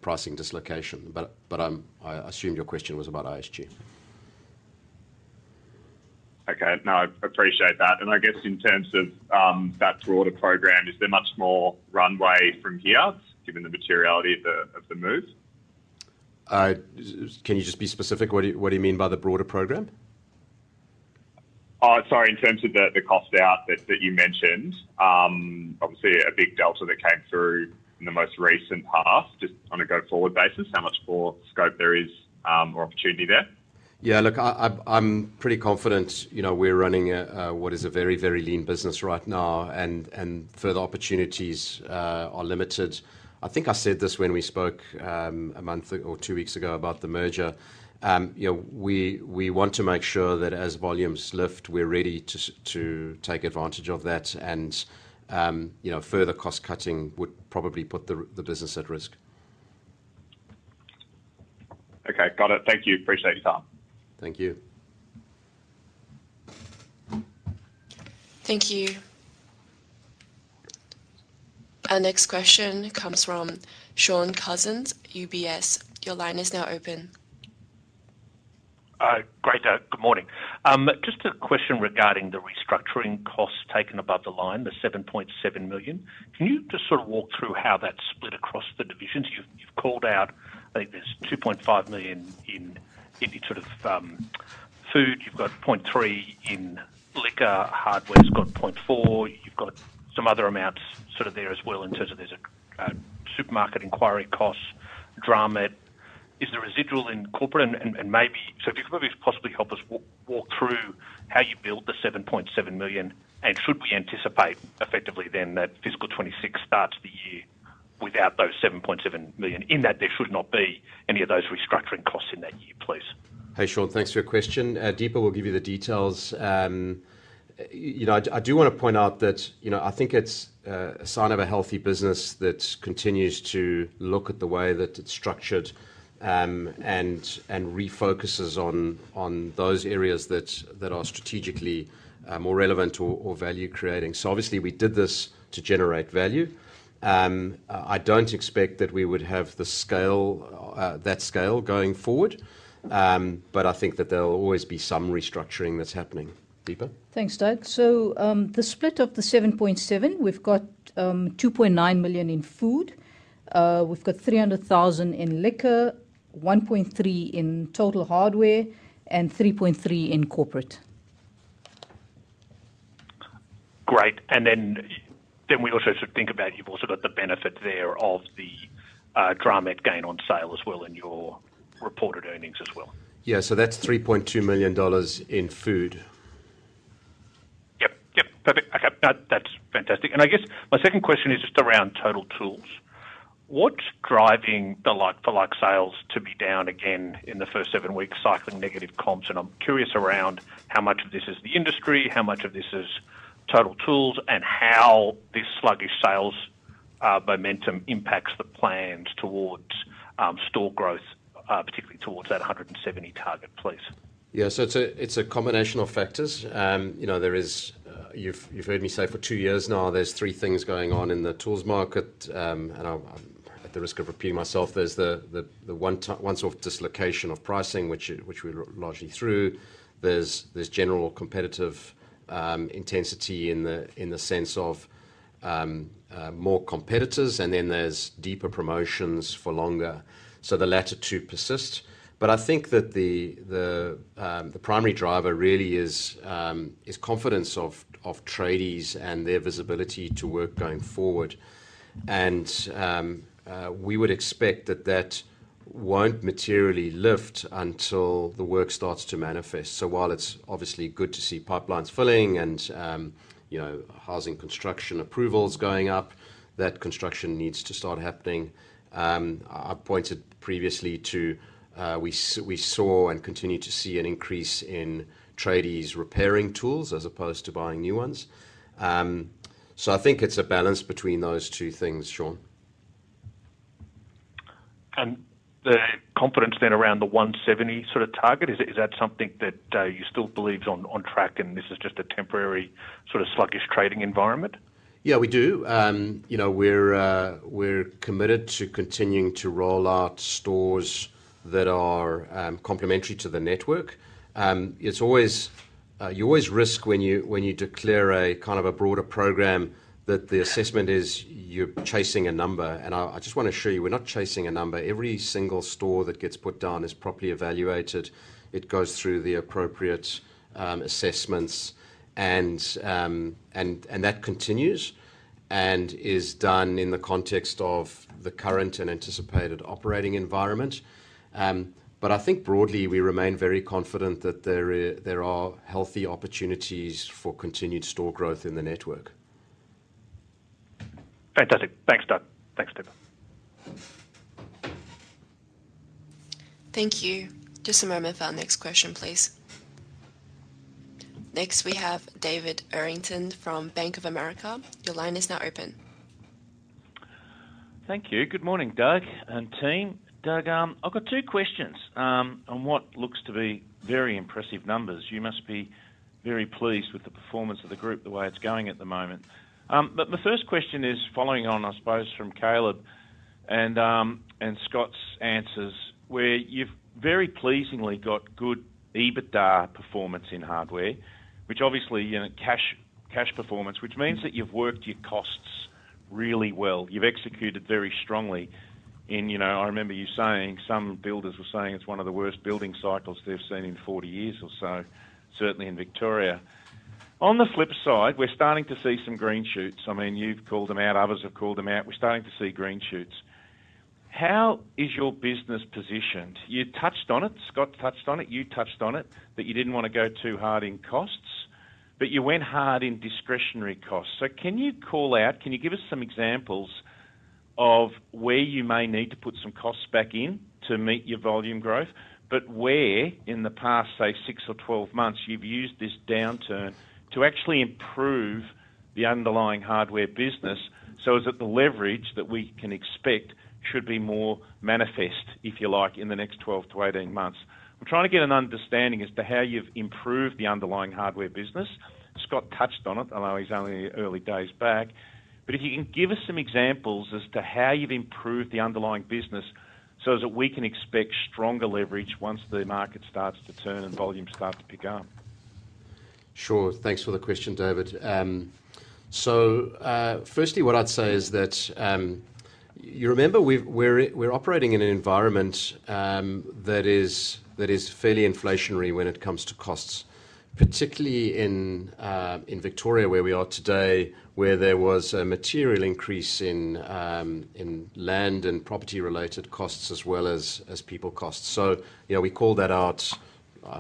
pricing dislocation, but I assume your question was about IHG. Okay, I appreciate that. I guess in terms of that broader program, is there much more runway from here, given the materiality of the move? Can you just be specific? What do you mean by the broader program? Sorry, in terms of the cost out that you mentioned, obviously a big delta that came through in the most recent half, just on a go forward basis, how much more scope there is or opportunity there? Yeah, look, I'm pretty confident we're running what is a very, very lean business right now, and further opportunities are limited. I think I said this when we spoke a month or two weeks ago about the merger. We want to make sure that as volumes lift, we're ready to take advantage of that, and further cost cutting would probably put the business at risk. Okay, got it. Thank you. Appreciate your time. Thank you. Thank you. Our next question comes from Shaun Cousins, UBS. Your line is now open. Great, Doug. Good morning. Just a question regarding the restructuring costs taken above the line, the 7.7 million. Can you just sort of walk through how that's split across the divisions? You've called out, I think there's 2.5 million in sort of Food, you've got 0.3 million in Liquor, Hardware's got 0.4 million, you've got some other amounts sort of there as well in terms of there's a supermarket inquiry cost, Dramet. Is the residual in Corporate and maybe so if you could maybe possibly help us walk through how you build the 7.7 million, and should we anticipate effectively then that fiscal 2026 starts the year without those 7.7 million in that there should not be any of those restructuring costs in that year, please? Hey, Sean, thanks for your question. Deepa will give you the details. I do want to point out that I think it's a sign of a healthy business that continues to look at the way that it's structured and refocuses on those areas that are strategically more relevant or value-creating. Obviously, we did this to generate value. I don't expect that we would have that scale going forward, but I think that there'll always be some restructuring that's happening. Deepa? Thanks, Doug. The split of the 7.7 million we've got 2.9 million in Food, we've got 300,000 in Liquor, 1.3 million in total Hardware, and 3.3 million in Corporate. Great. We also should think about you've also got the benefit there of the Dramet gain on sale as well in your reported earnings as well. Yeah, that's 3.2 million dollars in Food. Yep, yep, perfect. Okay, that's fantastic. I guess my second question is just around Total Tools. What's driving the like-for-like sales to be down again in the first seven weeks cycling negative comps? I'm curious around how much of this is the industry, how much of this is Total Tools, and how this sluggish sales momentum impacts the plans towards store growth, particularly towards that 170 target, please? Yeah, so it's a combination of factors. You've heard me say for two years now, there's three things going on in the tools market, and I'm at the risk of repeating myself. There's the once-off dislocation of pricing, which we're largely through. There's general competitive intensity in the sense of more competitors, and then there's deeper promotions for longer. The latter two persist. I think that the primary driver really is confidence of tradies and their visibility to work going forward. We would expect that that won't materially lift until the work starts to manifest. While it's obviously good to see pipelines filling and housing construction approvals going up, that construction needs to start happening. I've pointed previously to we saw and continue to see an increase in tradies repairing tools as opposed to buying new ones. I think it's a balance between those two things, Shaun. The confidence then around the 170 sort of target, is that something that you still believe is on track, and this is just a temporary sort of sluggish trading environment? Yeah, we do. We're committed to continuing to roll out stores that are complementary to the network. You always risk when you declare a kind of a broader program that the assessment is you're chasing a number. I just want to assure you, we're not chasing a number. Every single store that gets put down is properly evaluated. It goes through the appropriate assessments, and that continues and is done in the context of the current and anticipated operating environment. I think broadly, we remain very confident that there are healthy opportunities for continued store growth in the network. Fantastic. Thanks, Doug. Thanks, Deepa. Thank you. Just a moment for our next question, please. Next, we have David Errington from Bank of America. Your line is now open. Thank you. Good morning, Doug and team. Doug, I've got two questions on what looks to be very impressive numbers. You must be very pleased with the performance of the group the way it's going at the moment. My first question is following on, I suppose, from Caleb and Scott's answers, where you've very pleasingly got good EBITDA performance in Hardware, which obviously cash performance, which means that you've worked your costs really well. You've executed very strongly in, I remember you saying some builders were saying it's one of the worst building cycles they've seen in 40 years or so, certainly in Victoria. On the flip side, we're starting to see some green shoots. I mean, you've called them out, others have called them out. We're starting to see green shoots. How is your business positioned? You touched on it, Scott touched on it, you touched on it, that you didn't want to go too hard in costs, but you went hard in discretionary costs. Can you call out, can you give us some examples of where you may need to put some costs back in to meet your volume growth, but where in the past, say, six or twelve months, you've used this downturn to actually improve the underlying Hardware business? Is it the leverage that we can expect should be more manifest, if you like, in the next 12 months-18 months? I'm trying to get an understanding as to how you've improved the underlying Hardware business. Scott touched on it, although he's only early days back. If you can give us some examples as to how you've improved the underlying business so that we can expect stronger leverage once the market starts to turn and volumes start to pick up. Sure. Thanks for the question, David. Firstly, what I'd say is that you remember we're operating in an environment that is fairly inflationary when it comes to costs, particularly in Victoria where we are today, where there was a material increase in land and property-related costs as well as people costs. We called that out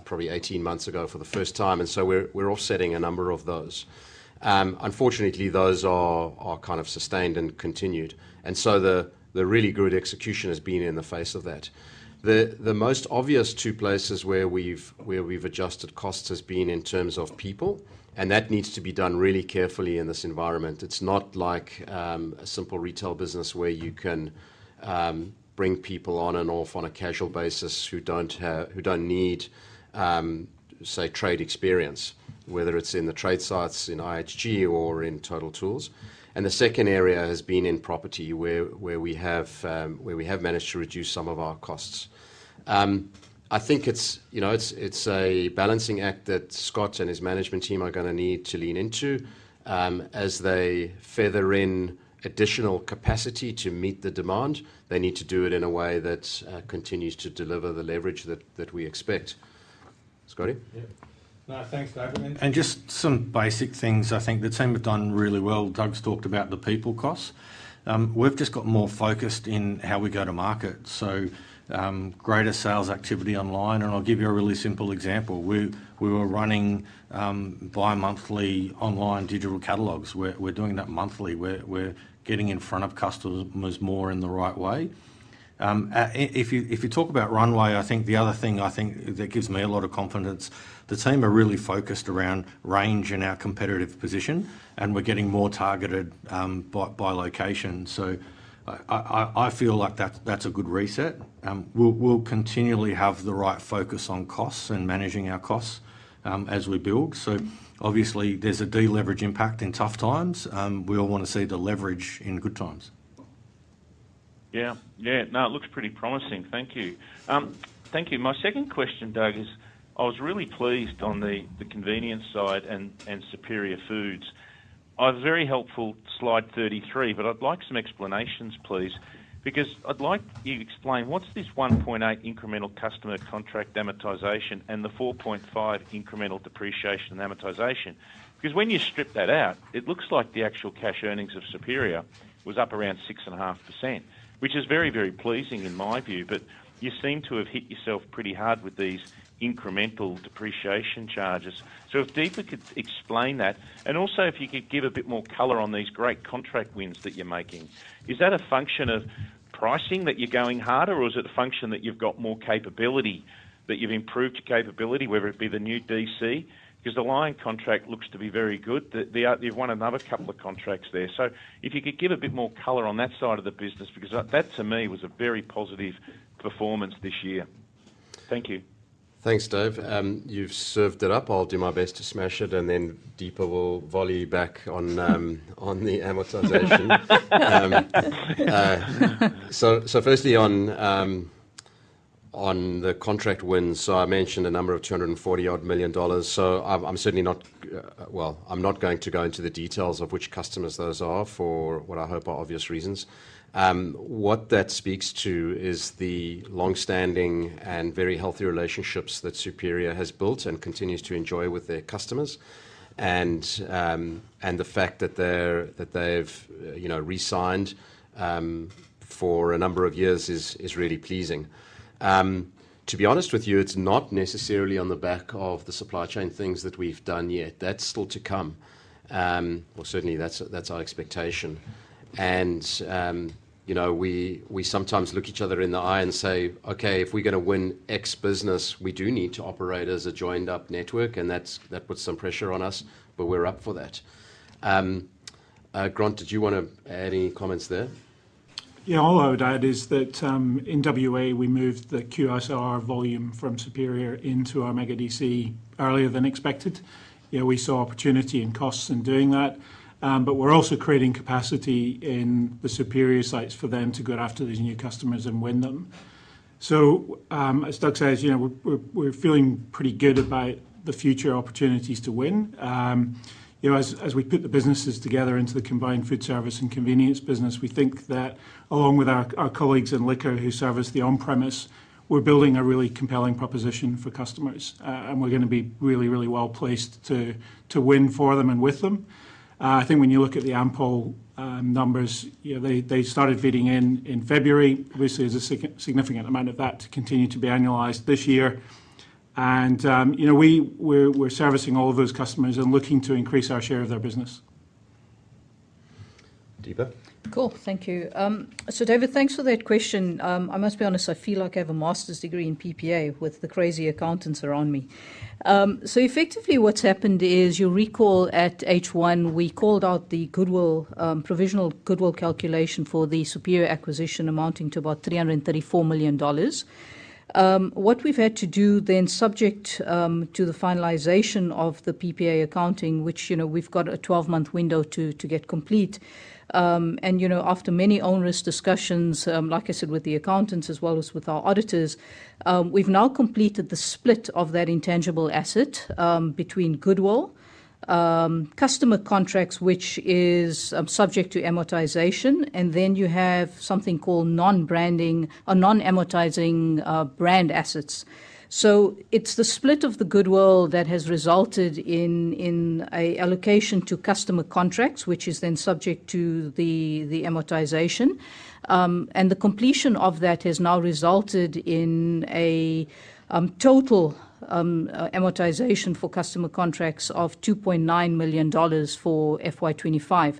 probably 18 months ago for the first time, and we're offsetting a number of those. Unfortunately, those are kind of sustained and continued. The really good execution has been in the face of that. The most obvious two places where we've adjusted costs has been in terms of people, and that needs to be done really carefully in this environment. It's not like a simple retail business where you can bring people on and off on a casual basis who don't need, say, trade experience, whether it's in the trade sites in IHG or in Total Tools. The second area has been in property where we have managed to reduce some of our costs. I think it's a balancing act that Scott and his management team are going to need to lean into as they feather in additional capacity to meet the demand. They need to do it in a way that continues to deliver the leverage that we expect. Scotty? Yeah. No, thanks, Doug. Just some basic things. I think the team have done really well. Doug's talked about the people costs. We've just got more focused in how we go to market. Greater sales activity online. I'll give you a really simple example. We were running bi-monthly online digital catalogs. We're doing that monthly. We're getting in front of customers more in the right way. If you talk about runway, I think the other thing I think that gives me a lot of confidence, the team are really focused around range in our competitive position, and we're getting more targeted by location. I feel like that's a good reset. We'll continually have the right focus on costs and managing our costs as we build. Obviously, there's a deleverage impact in tough times. We all want to see the leverage in good times. Yeah, yeah. No, it looks pretty promising. Thank you. Thank you. My second question, Doug, is I was really pleased on the Convenience side and Superior Foods. I have a very helpful slide 33, but I'd like some explanations, please, because I'd like you to explain what's this 1.8 million incremental customer contract amortization and the 4.5 million incremental depreciation and amortization. Because when you strip that out, it looks like the actual cash earnings of Superior was up around 6.5%, which is very, very pleasing in my view, but you seem to have hit yourself pretty hard with these incremental depreciation charges. If Deepa could explain that, and also if you could give a bit more color on these great contract wins that you're making, is that a function of pricing that you're going harder, or is it a function that you've got more capability, that you've improved your capability, whether it be the new DC? Because the Lion contract looks to be very good. You've won another couple of contracts there. If you could give a bit more color on that side of the business, because that to me was a very positive performance this year. Thank you. Thanks, Dave. You have served it up. I will do my best to smash it, and then Deepa will volley you back on the amortization. Firstly, on the contract wins, I mentioned a number of 240 million dollars. I am certainly not, well, I am not going to go into the details of which customers those are for what I hope are obvious reasons. What that speaks to is the long-standing and very healthy relationships that Superior has built and continues to enjoy with their customers, and the fact that they have re-signed for a number of years is really pleasing. To be honest with you, it is not necessarily on the back of the supply chain things that we have done yet. That is still to come. Certainly, that's our expectation. We sometimes look each other in the eye and say, "Okay, if we're going to win X business, we do need to operate as a joined-up network," and that puts some pressure on us, but we're up for that. Grant, did you want to add any comments there? Yeah, all I would add is that in WA, we moved the QSR volume from Superior into Omega DC earlier than expected. We saw opportunity in costs in doing that, but we're also creating capacity in the Superior sites for them to go after these new customers and win them. As Doug says, we're feeling pretty good about the future opportunities to win. As we put the businesses together into the combined Food service and Convenience business, we think that along with our colleagues in Liquor who service the on-premise, we're building a really compelling proposition for customers, and we're going to be really, really well placed to win for them and with them. I think when you look at the Ampol numbers, they started feeding in February. Obviously, there's a significant amount of that to continue to be annualized this year. And we're servicing all of those customers and looking to increase our share of their business. Deepa? Cool. Thank you. So David, thanks for that question. I must be honest, I feel like I have a master's degree in PPA with the crazy accountants around me. So effectively, what's happened is you recall at H1, we called out the provisional goodwill calculation for the Superior acquisition amounting to about 334 million dollars. What we've had to do then, subject to the finalization of the PPA accounting, which we've got a 12-month window to get complete, and after many onerous discussions, like I said, with the accountants as well as with our auditors, we've now completed the split of that intangible asset between goodwill customer contracts, which is subject to amortization, and then you have something called non-branding or non-amortizing brand assets. It is the split of the goodwill that has resulted in an allocation to customer contracts, which is then subject to the amortization. The completion of that has now resulted in a total amortization for customer contracts of 2.9 million dollars for FY2025.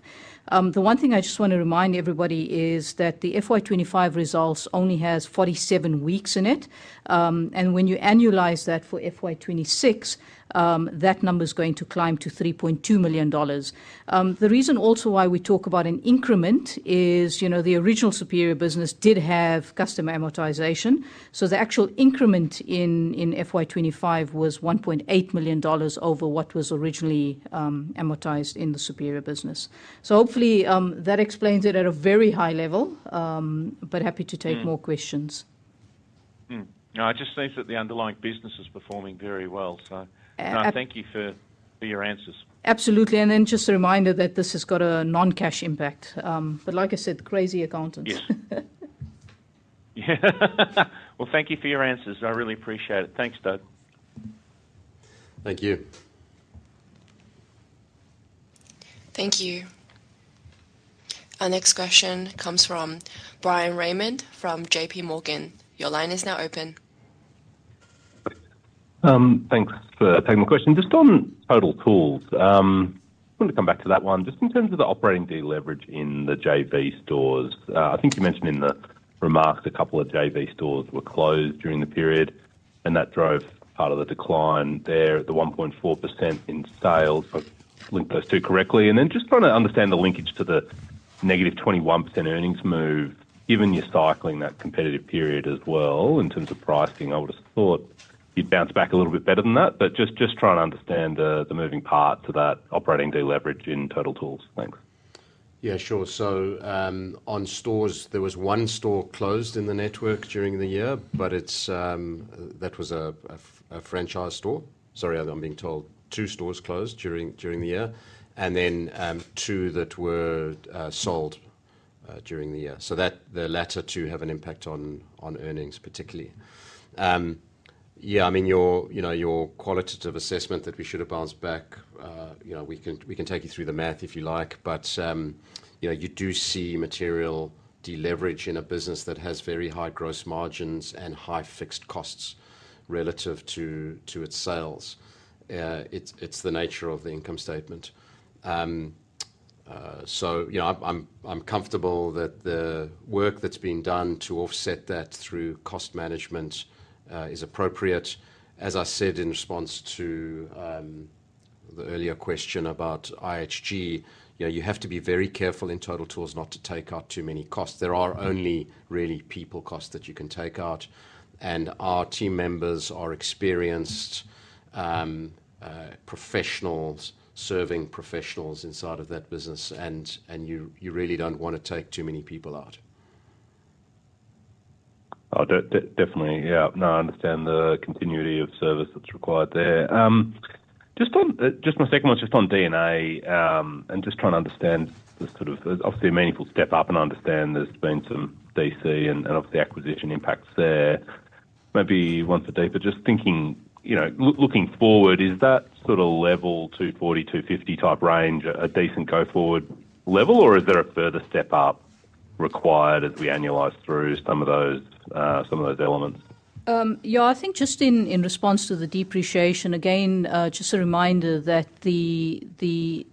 The one thing I just want to remind everybody is that the FY2025 results only has 47 weeks in it, and when you annualize that for FY2026, that number is going to climb to 3.2 million dollars. The reason also why we talk about an increment is the original Superior business did have customer amortization, so the actual increment in FY2025 was 1.8 million dollars over what was originally amortized in the Superior business. Hopefully, that explains it at a very high level, but happy to take more questions. I just think that the underlying business is performing very well, so thank you for your answers. Absolutely. Just a reminder that this has got a non-cash impact, but like I said, crazy accountants. Yeah. Thank you for your answers. I really appreciate it. Thanks, Doug. Thank you. Thank you. Our next question comes from Bryan Raymond from JP Morgan. Your line is now open. Thanks for taking my question. Just on Total Tools, I want to come back to that one. Just in terms of the operating deleverage in the JV stores, I think you mentioned in the remarks a couple of JV stores were closed during the period, and that drove part of the decline there at the 1.4% in sales. I've linked those two correctly. Just trying to understand the linkage to the -21% earnings move, given you're cycling that competitive period as well in terms of pricing, I would have thought you'd bounce back a little bit better than that, but just trying to understand the moving parts of that operating deleverage in Total Tools. Thanks. Yeah, sure. On stores, there was one store closed in the network during the year, but that was a franchise store. Sorry, I'm being told two stores closed during the year, and then two that were sold during the year. The latter two have an impact on earnings, particularly. Yeah, I mean, your qualitative assessment that we should have bounced back, we can take you through the math if you like, but you do see material deleverage in a business that has very high gross margins and high fixed costs relative to its sales. It's the nature of the income statement. I'm comfortable that the work that's been done to offset that through cost management is appropriate. As I said in response to the earlier question about IHG, you have to be very careful in Total Tools not to take out too many costs. There are only really people costs that you can take out, and our team members are experienced professionals serving professionals inside of that business, and you really don't want to take too many people out. Definitely. Yeah. No, I understand the continuity of service that's required there. Just my second one's just on D&A and just trying to understand the sort of, obviously, a meaningful step up and understand there's been some DC and obviously acquisition impacts there. Maybe once a day. But just thinking, looking forward, is that sort of level 240 million-250 million type range, a decent go forward level, or is there a further step up required as we annualize through some of those elements? Yeah, I think just in response to the depreciation, again, just a reminder that the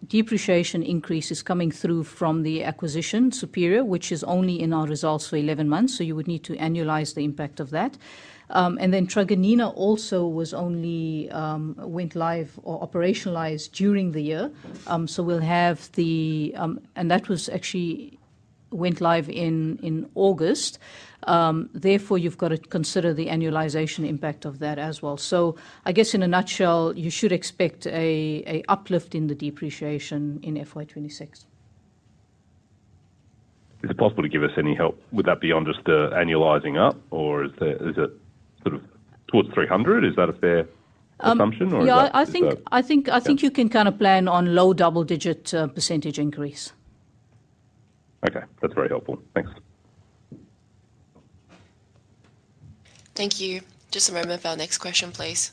depreciation increase is coming through from the acquisition, Superior, which is only in our results for 11 months, so you would need to annualize the impact of that. And then Truganina also was only went live or operationalized during the year. We will have the, and that was actually went live in August. Therefore, you've got to consider the annualization impact of that as well. I guess in a nutshell, you should expect an uplift in the depreciation in FY2026. Is it possible to give us any help? Would that be on just annualizing up, or is it sort of towards 300 million? Is that a fair assumption, or? I think you can kind of plan on low double-digit percentage increase. Ok`ay. That's very helpful. Thanks. Thank you. Just a moment for our next question, please.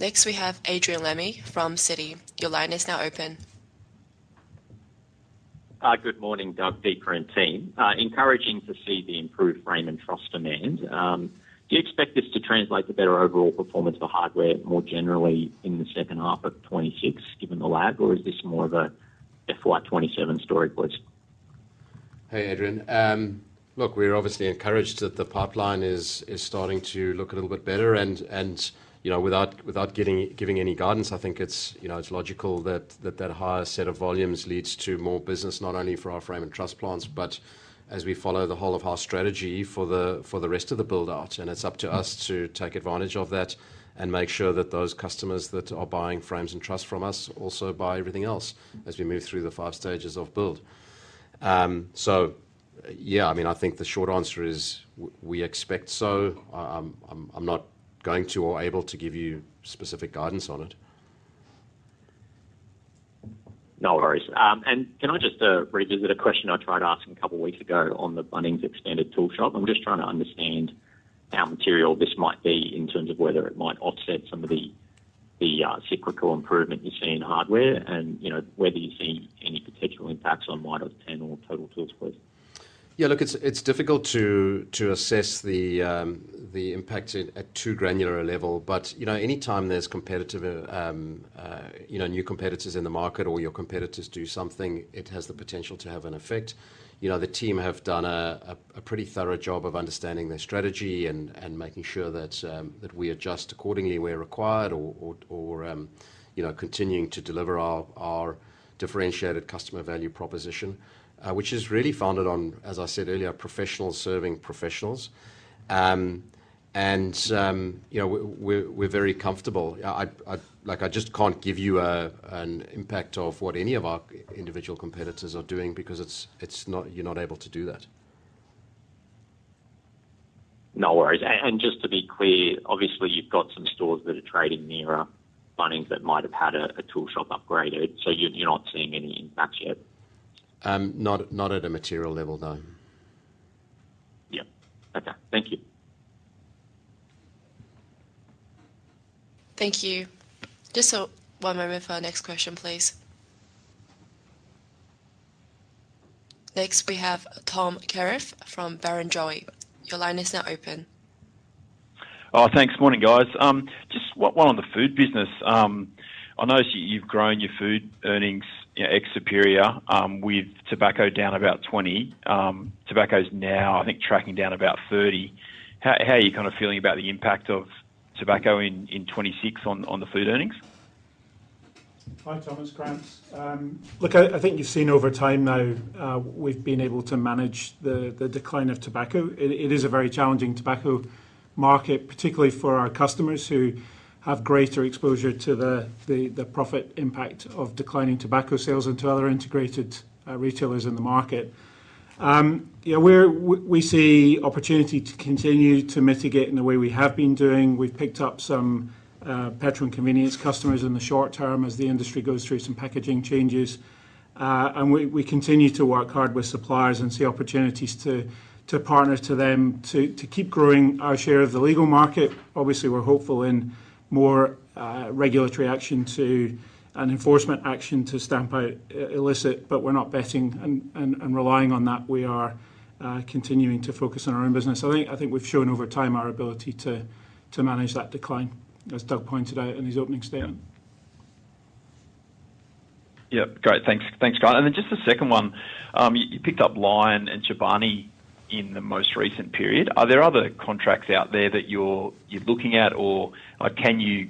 Next, we have Adrian Lemme from Citi. Your line is now open. Hi, good morning, Doug, Deepa, and team. Encouraging to see the improved frame and truss demand. Do you expect this to translate to better overall performance for hardware more generally in the second half of 2026, given the lag, or is this more of a FY2027 story, please? Hey, Adrian. Look, we're obviously encouraged that the pipeline is starting to look a little bit better. Without giving any guidance, I think it's logical that that higher set of volumes leads to more business, not only for our frame and truss plants, but as we follow the whole-of-house strategy for the rest of the build-out. It's up to us to take advantage of that and make sure that those customers that are buying frames and truss from us also buy everything else as we move through the five stages of build. Yeah, I mean, I think the short answer is we expect so. I'm not going to or able to give you specific guidance on it. No worries. Can I just revisit a question I tried asking a couple of weeks ago on the Bunnings extended tool shop? I'm just trying to understand how material this might be in terms of whether it might offset some of the cyclical improvement you see in hardware and whether you see any potential impacts on Mitre 10 or Total Tools, please. Yeah, look, it's difficult to assess the impact at too granular a level, but anytime there's new competitors in the market or your competitors do something, it has the potential to have an effect. The team have done a pretty thorough job of understanding their strategy and making sure that we adjust accordingly where required or continuing to deliver our differentiated customer value proposition, which is really founded on, as I said earlier, professionals serving professionals. And we're very comfortable. I just can't give you an impact of what any of our individual competitors are doing because you're not able to do that. No worries. Just to be clear, obviously, you've got some stores that are trading nearer Bunnings that might have had a tool shop upgraded, so you're not seeing any impacts yet? Not at a material level, no. Yep. Okay. Thank you. Thank you. Just one moment for our next question, please. Next, we have Tom Kierath from Barrenjoey. Your line is now open. Oh, thanks. Morning, guys. Just one on the Food business. I know you've grown your Food earnings ex-Superior. We've tobacco down about 20%. Tobacco's now, I think, tracking down about 30%. How are you kind of feeling about the impact of tobacco in 2026 on the Food earnings? Hi, Thomas. Grant. Look, I think you've seen over time now we've been able to manage the decline of tobacco. It is a very challenging tobacco market, particularly for our customers who have greater exposure to the profit impact of declining tobacco sales into other integrated retailers in the market. We see opportunity to continue to mitigate in the way we have been doing. We've picked up some petrol and Convenience customers in the short term as the industry goes through some packaging changes. We continue to work hard with suppliers and see opportunities to partner with them to keep growing our share of the legal market. Obviously, we're hopeful in more regulatory action and enforcement action to stamp out illicit, but we're not betting and relying on that. We are continuing to focus on our own business. I think we've shown over time our ability to manage that decline, as Doug pointed out in his opening statement. Yep. Great. Thanks, Grant. And then just a second one. You picked up Lion and Chobani in the most recent period. Are there other contracts out there that you're looking at, or can you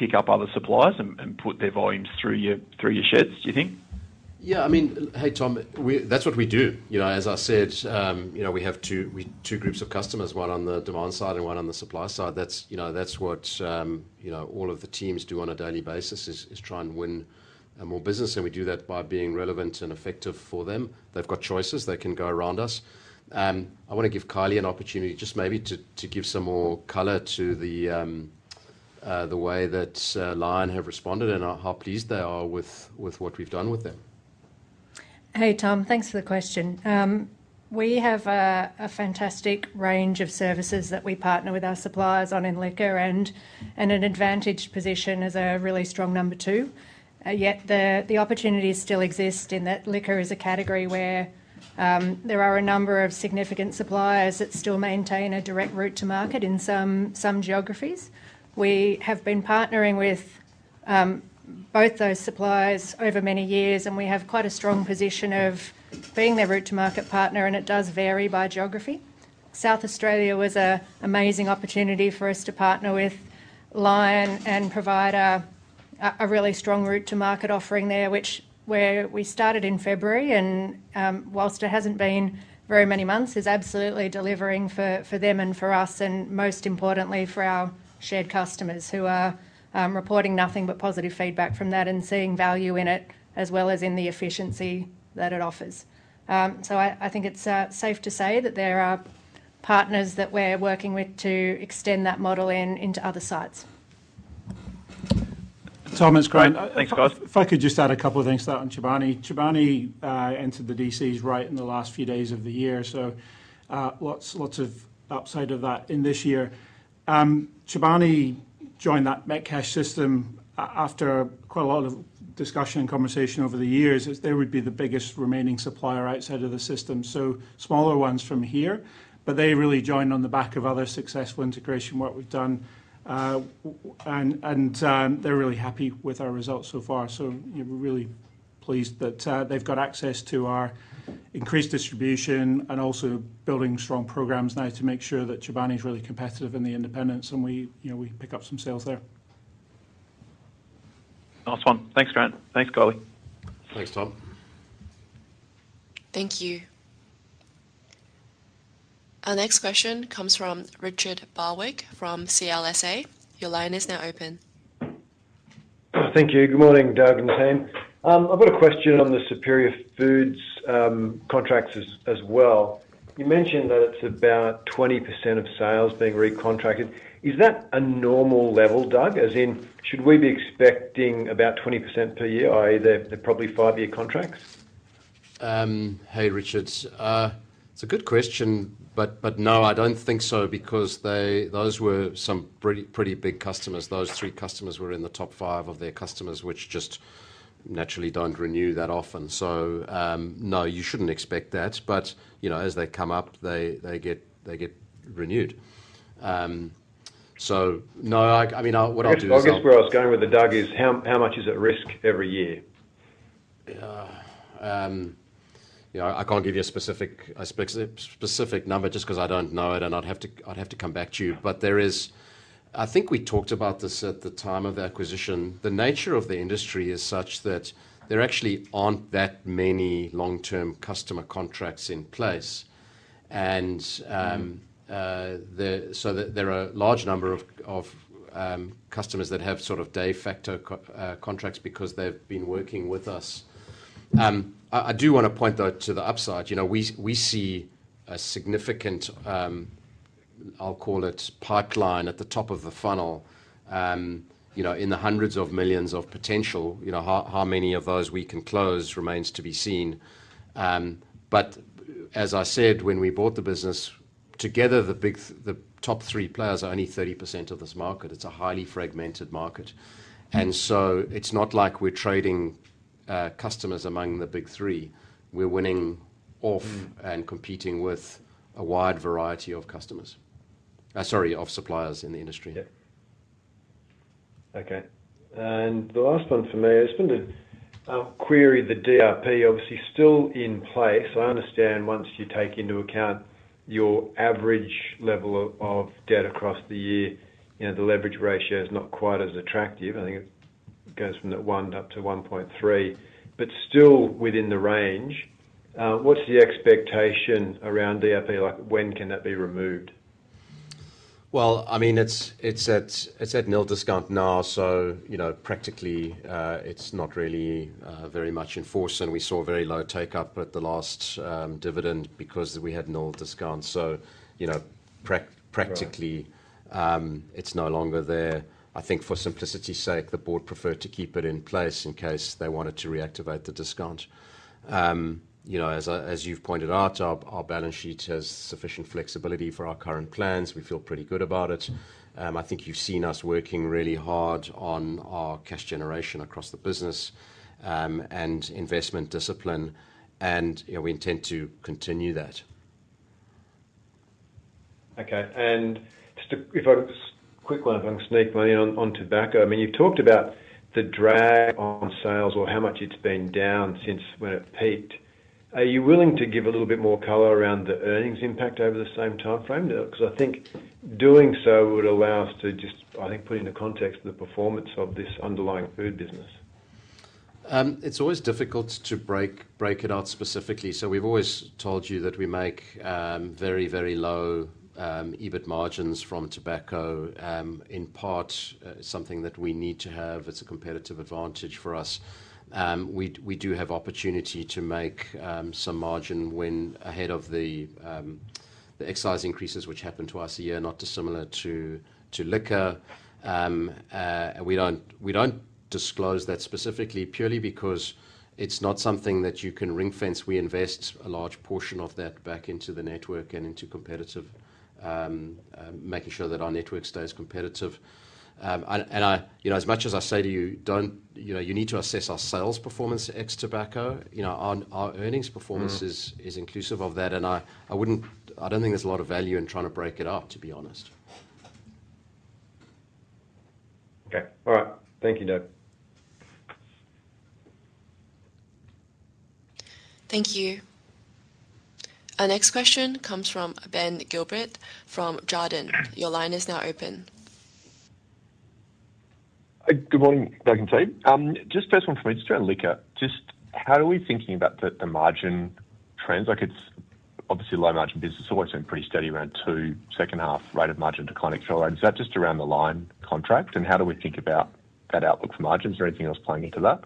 pick up other suppliers and put their volumes through your sheds, do you think? Yeah. I mean, hey, Tom, that's what we do. As I said, we have two groups of customers, one on the demand side and one on the supply side. That's what all of the teams do on a daily basis is try and win more business, and we do that by being relevant and effective for them. They've got choices. They can go around us. I want to give Kylie an opportunity just maybe to give some more color to the way that Lion have responded and how pleased they are with what we've done with them. Hey, Tom, thanks for the question. We have a fantastic range of services that we partner with our suppliers on in Liquor, and an advantaged position is a really strong number two. Yet the opportunity still exists in that Liquor is a category where there are a number of significant suppliers that still maintain a direct route to market in some geographies. We have been partnering with both those suppliers over many years, and we have quite a strong position of being their route-to-market partner, and it does vary by geography. South Australia was an amazing opportunity for us to partner with Lion and provide a really strong route-to-market offering there, which, where we started in February, and whilst it hasn't been very many months, is absolutely delivering for them and for us, and most importantly, for our shared customers who are reporting nothing but positive feedback from that and seeing value in it as well as in the efficiency that it offers. I think it's safe to say that there are partners that we're working with to extend that model into other sites. Tom, that's great. Thanks, guys. If I could just add a couple of things to that on Chobani. Chobani entered the DCs right in the last few days of the year, so lots of upside of that in this year. Chobani joined that Metcash system after quite a lot of discussion and conversation over the years. There would be the biggest remaining supplier outside of the system, so smaller ones from here, but they really joined on the back of other successful integration, what we've done. They are really happy with our results so far. We are really pleased that they've got access to our increased distribution and also building strong programs now to make sure that Chobani is really competitive in the independents, and we pick up some sales there. Nice one. Thanks, Grant. Thanks, Kylie. Thanks, Tom. Thank you. Our next question comes from Richard Barwick from CLSA. Your line is now open. Thank you. Good morning, Doug and team. I've got a question on the Superior Foods contracts as well. You mentioned that it's about 20% of sales being recontracted. Is that a normal level, Doug, as in should we be expecting about 20% per year, i.e., they're probably five-year contracts? Hey, Richard. It's a good question, but no, I don't think so because those were some pretty big customers. Those three customers were in the top five of their customers, which just naturally do not renew that often. No, you should not expect that. As they come up, they get renewed. I mean, where I was going with Doug is how much is at risk every year. I can't give you a specific number just because I don't know it, and I'd have to come back to you. I think we talked about this at the time of acquisition. The nature of the industry is such that there actually are not that many long-term customer contracts in place. There are a large number of customers that have sort of de facto contracts because they've been working with us. I do want to point, though, to the upside. We see a significant, I'll call it pipeline at the top of the funnel in the hundreds of millions of potential. How many of those we can close remains to be seen. As I said, when we bought the business together, the top three players are only 30% of this market. It is a highly fragmented market. It is not like we are trading customers among the big three. We are winning off and competing with a wide variety of customers, sorry, of suppliers in the industry. Okay. The last one for me, I just want to query the DRP, obviously, still in place. I understand once you take into account your average level of debt across the year, the leverage ratio is not quite as attractive. I think it goes from that 1 up to 1.3, but still within the range. What's the expectation around DRP? When can that be removed? I mean, it's at nil discount now, so practically, it's not really very much in force. We saw very low take-up at the last dividend because we had nil discount. Practically, it's no longer there. I think for simplicity's sake, the board preferred to keep it in place in case they wanted to reactivate the discount. As you've pointed out, our balance sheet has sufficient flexibility for our current plans. We feel pretty good about it. I think you've seen us working really hard on our cash generation across the business and investment discipline, and we intend to continue that. Okay. Just a quick one if I can sneak my ear on tobacco. I mean, you've talked about the drag on sales or how much it's been down since when it peaked. Are you willing to give a little bit more color around the earnings impact over the same timeframe? Because I think doing so would allow us to just, I think, put into context the performance of this underlying Food business. It's always difficult to break it out specifically. We have always told you that we make very, very low EBIT margins from tobacco. In part, it's something that we need to have as a competitive advantage for us. We do have opportunity to make some margin ahead of the excise increases which happen to us a year, not dissimilar to Liquor. We do not disclose that specifically purely because it's not something that you can ring-fence. We invest a large portion of that back into the network and into competitive, making sure that our network stays competitive. As much as I say to you, you need to assess our sales performance ex-tobacco. Our earnings performance is inclusive of that, and I do not think there is a lot of value in trying to break it out, to be honest. Okay. All right. Thank you, Doug. Thank you. Our next question comes from Ben Gilbert from Jarden. Your line is now open. Good morning, Doug and team. Just first one for me, just around Liquor. Just how are we thinking about the margin trends? It is obviously a low-margin business. It has always been pretty steady around two, second-half rate of margin to kind of draw out. Is that just around the line contract? How do we think about that outlook for margins? Is there anything else playing into that?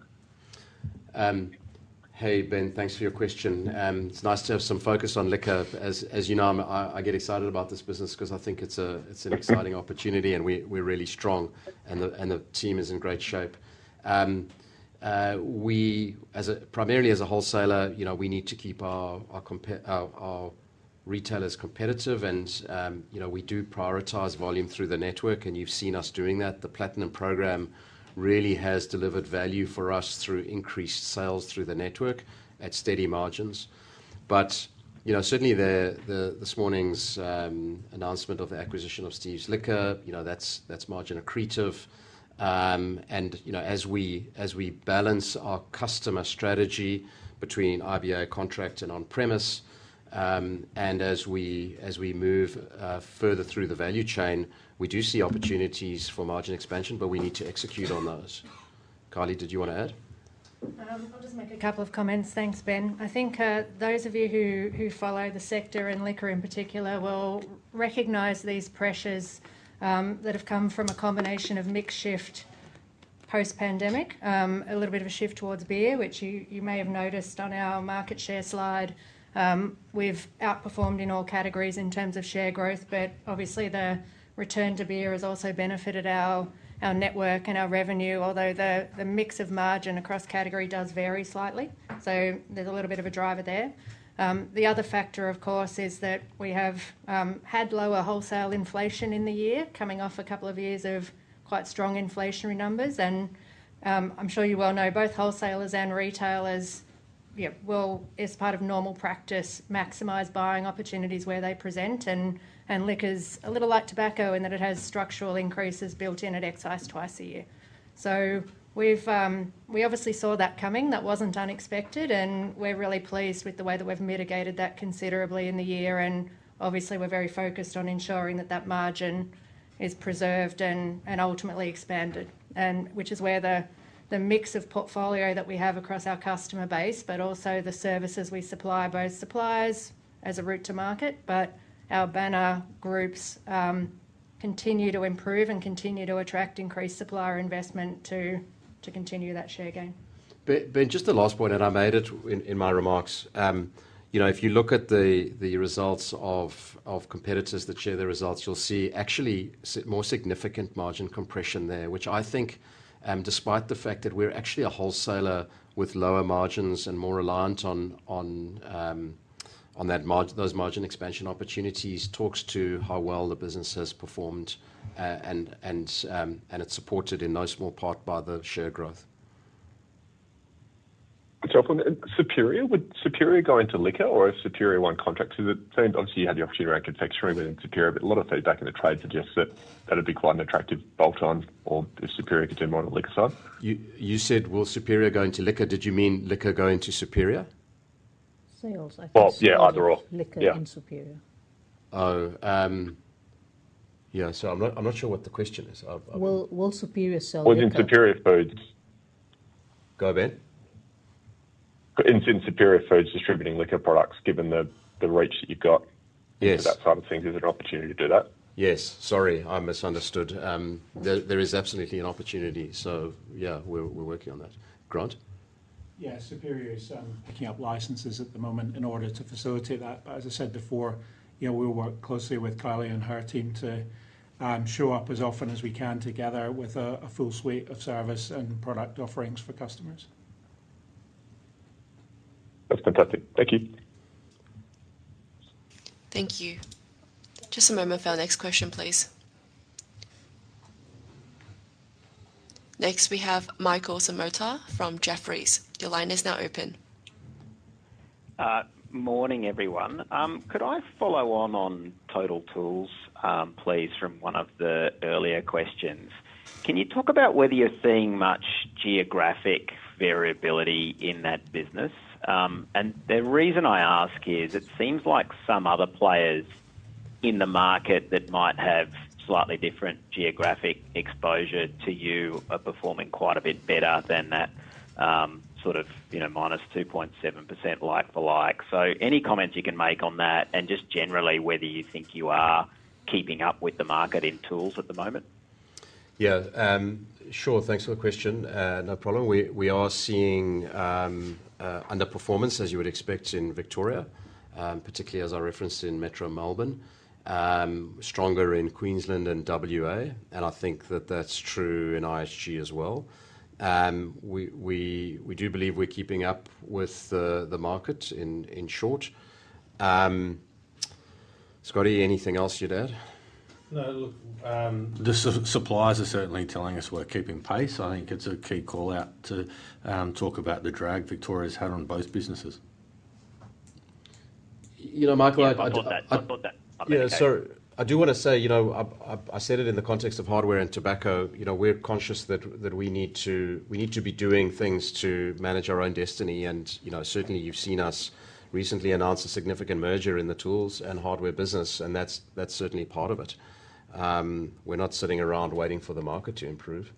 Hey, Ben, thanks for your question. It's nice to have some focus on Liquor. As you know, I get excited about this business because I think it's an exciting opportunity, and we're really strong, and the team is in great shape. Primarily as a wholesaler, we need to keep our retailers competitive, and we do prioritize volume through the network, and you've seen us doing that. The Platinum program really has delivered value for us through increased sales through the network at steady margins. Certainly, this morning's announcement of the acquisition of Steve's Liquor, that's margin accretive. As we balance our customer strategy between IBA contract and on-premise, and as we move further through the value chain, we do see opportunities for margin expansion, but we need to execute on those. Kylie, did you want to add? I'll just make a couple of comments. Thanks, Ben. I think those of you who follow the sector and liquor in particular will recognize these pressures that have come from a combination of mixed shift post-pandemic, a little bit of a shift towards beer, which you may have noticed on our market share slide. We've outperformed in all categories in terms of share growth, but obviously, the return to beer has also benefited our network and our revenue, although the mix of margin across category does vary slightly. There is a little bit of a driver there. The other factor, of course, is that we have had lower wholesale inflation in the year coming off a couple of years of quite strong inflationary numbers. I'm sure you well know both wholesalers and retailers will, as part of normal practice, maximize buying opportunities where they present, and liquor is a little like tobacco in that it has structural increases built in at excise twice a year. We obviously saw that coming. That was not unexpected, and we're really pleased with the way that we've mitigated that considerably in the year. We are very focused on ensuring that margin is preserved and ultimately expanded, which is where the mix of portfolio that we have across our customer base, but also the services we supply both suppliers as a route to market, but our banner groups continue to improve and continue to attract increased supplier investment to continue that share gain. Ben, just the last point, and I made it in my remarks. If you look at the results of competitors that share their results, you'll see actually more significant margin compression there, which I think, despite the fact that we're actually a wholesaler with lower margins and more reliant on those margin expansion opportunities, talks to how well the business has performed, and it's supported in no small part by the share growth. Superior, would Superior go into Liquor or Superior won't contract? Because it sounds obviously you had the opportunity around confectionery within Superior, but a lot of feedback in the trade suggests that that would be quite an attractive bolt-on or if Superior could do more on the Liquor side. You said, will Superior go into Liquor? Did you mean Liquor going to Superior? Sales, I think. Yeah, either or. Liquor and Superior. Oh, yeah. I'm not sure what the question is. Will Superior sell liquor? Was it Superior Foods? Go, Ben. In Superior Foods distributing liquor products, given the reach that you've got into that side of things, is there an opportunity to do that? Yes. Sorry, I misunderstood. There is absolutely an opportunity. Yeah, we're working on that. Grant? Yeah. Superior is picking up licenses at the moment in order to facilitate that. As I said before, we'll work closely with Kylie and her team to show up as often as we can together with a full suite of service and product offerings for customers. That's fantastic. Thank you. Thank you. Just a moment for our next question, please. Next, we have Michael Zamota from Jefferies. Your line is now open. Morning, everyone. Could I follow on on Total Tools, please, from one of the earlier questions? Can you talk about whether you're seeing much geographic variability in that business? The reason I ask is it seems like some other players in the market that might have slightly different geographic exposure to you are performing quite a bit better than that sort of -2.7% like-for-like. Any comments you can make on that and just generally whether you think you are keeping up with the market in tools at the moment? Yeah. Sure. Thanks for the question. No problem. We are seeing underperformance, as you would expect, in Victoria, particularly as I referenced in Metro Melbourne, stronger in Queensland and Western Australia. I think that is true in IHG as well. We do believe we are keeping up with the market in short. Scotty, anything else you would add? Look, the suppliers are certainly telling us we are keeping pace. I think it is a key call out to talk about the drag Victoria has had on both businesses. Michael, I thought that. I do want to say I said it in the context of Hardware and tobacco. We're conscious that we need to be doing things to manage our own destiny. Certainly, you've seen us recently announce a significant merger in the Tools and Hardware business, and that's certainly part of it. We're not sitting around waiting for the market to improve.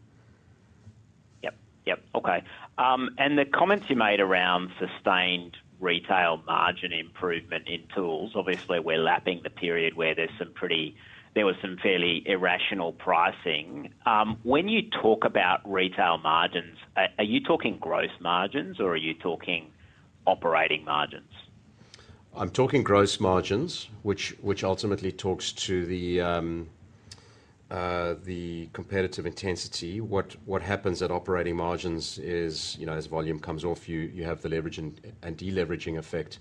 Yep. Yep. Okay. The comments you made around sustained retail margin improvement in Tools, obviously, we're lapping the period where there was some fairly irrational pricing. When you talk about retail margins, are you talking gross margins or are you talking operating margins? I'm talking gross margins, which ultimately talks to the competitive intensity. What happens at operating margins is as volume comes off, you have the leverage and deleveraging effect.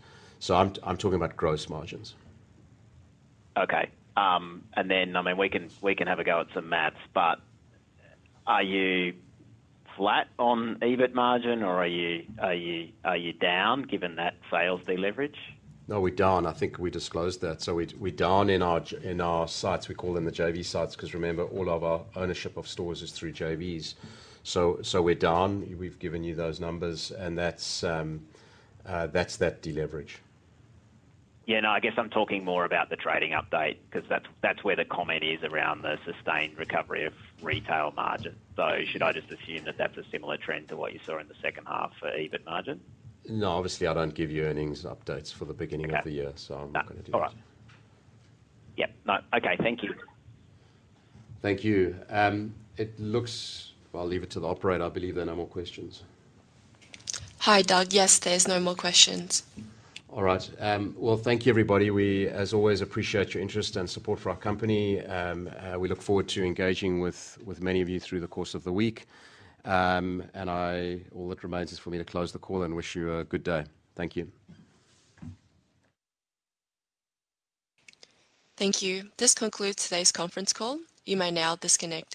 I'm talking about gross margins. Okay. I mean, we can have a go at some maths, but are you flat on EBIT margin or are you down given that sales deleverage? No, we're down. I think we disclosed that. We're down in our sites. We call them the JV sites because remember, all of our ownership of stores is through JVs. We're down. We've given you those numbers, and that's that deleverage. Yeah. No, I guess I'm talking more about the trading update because that's where the comment is around the sustained recovery of retail margin. Should I just assume that that's a similar trend to what you saw in the second half for EBIT margin? No, obviously, I don't give you earnings updates for the beginning of the year, so I'm not going to do that. All right. Yep. No. Okay. Thank you. Thank you.It looks I'll leave it to the operator. I believe there are no more questions. Hi, Doug. Yes, there's no more questions. All right. Thank you, everybody. We, as always, appreciate your interest and support for our company. We look forward to engaging with many of you through the course of the week. All that remains is for me to close the call and wish you a good day. Thank you. Thank you. This concludes today's conference call. You may now disconnect.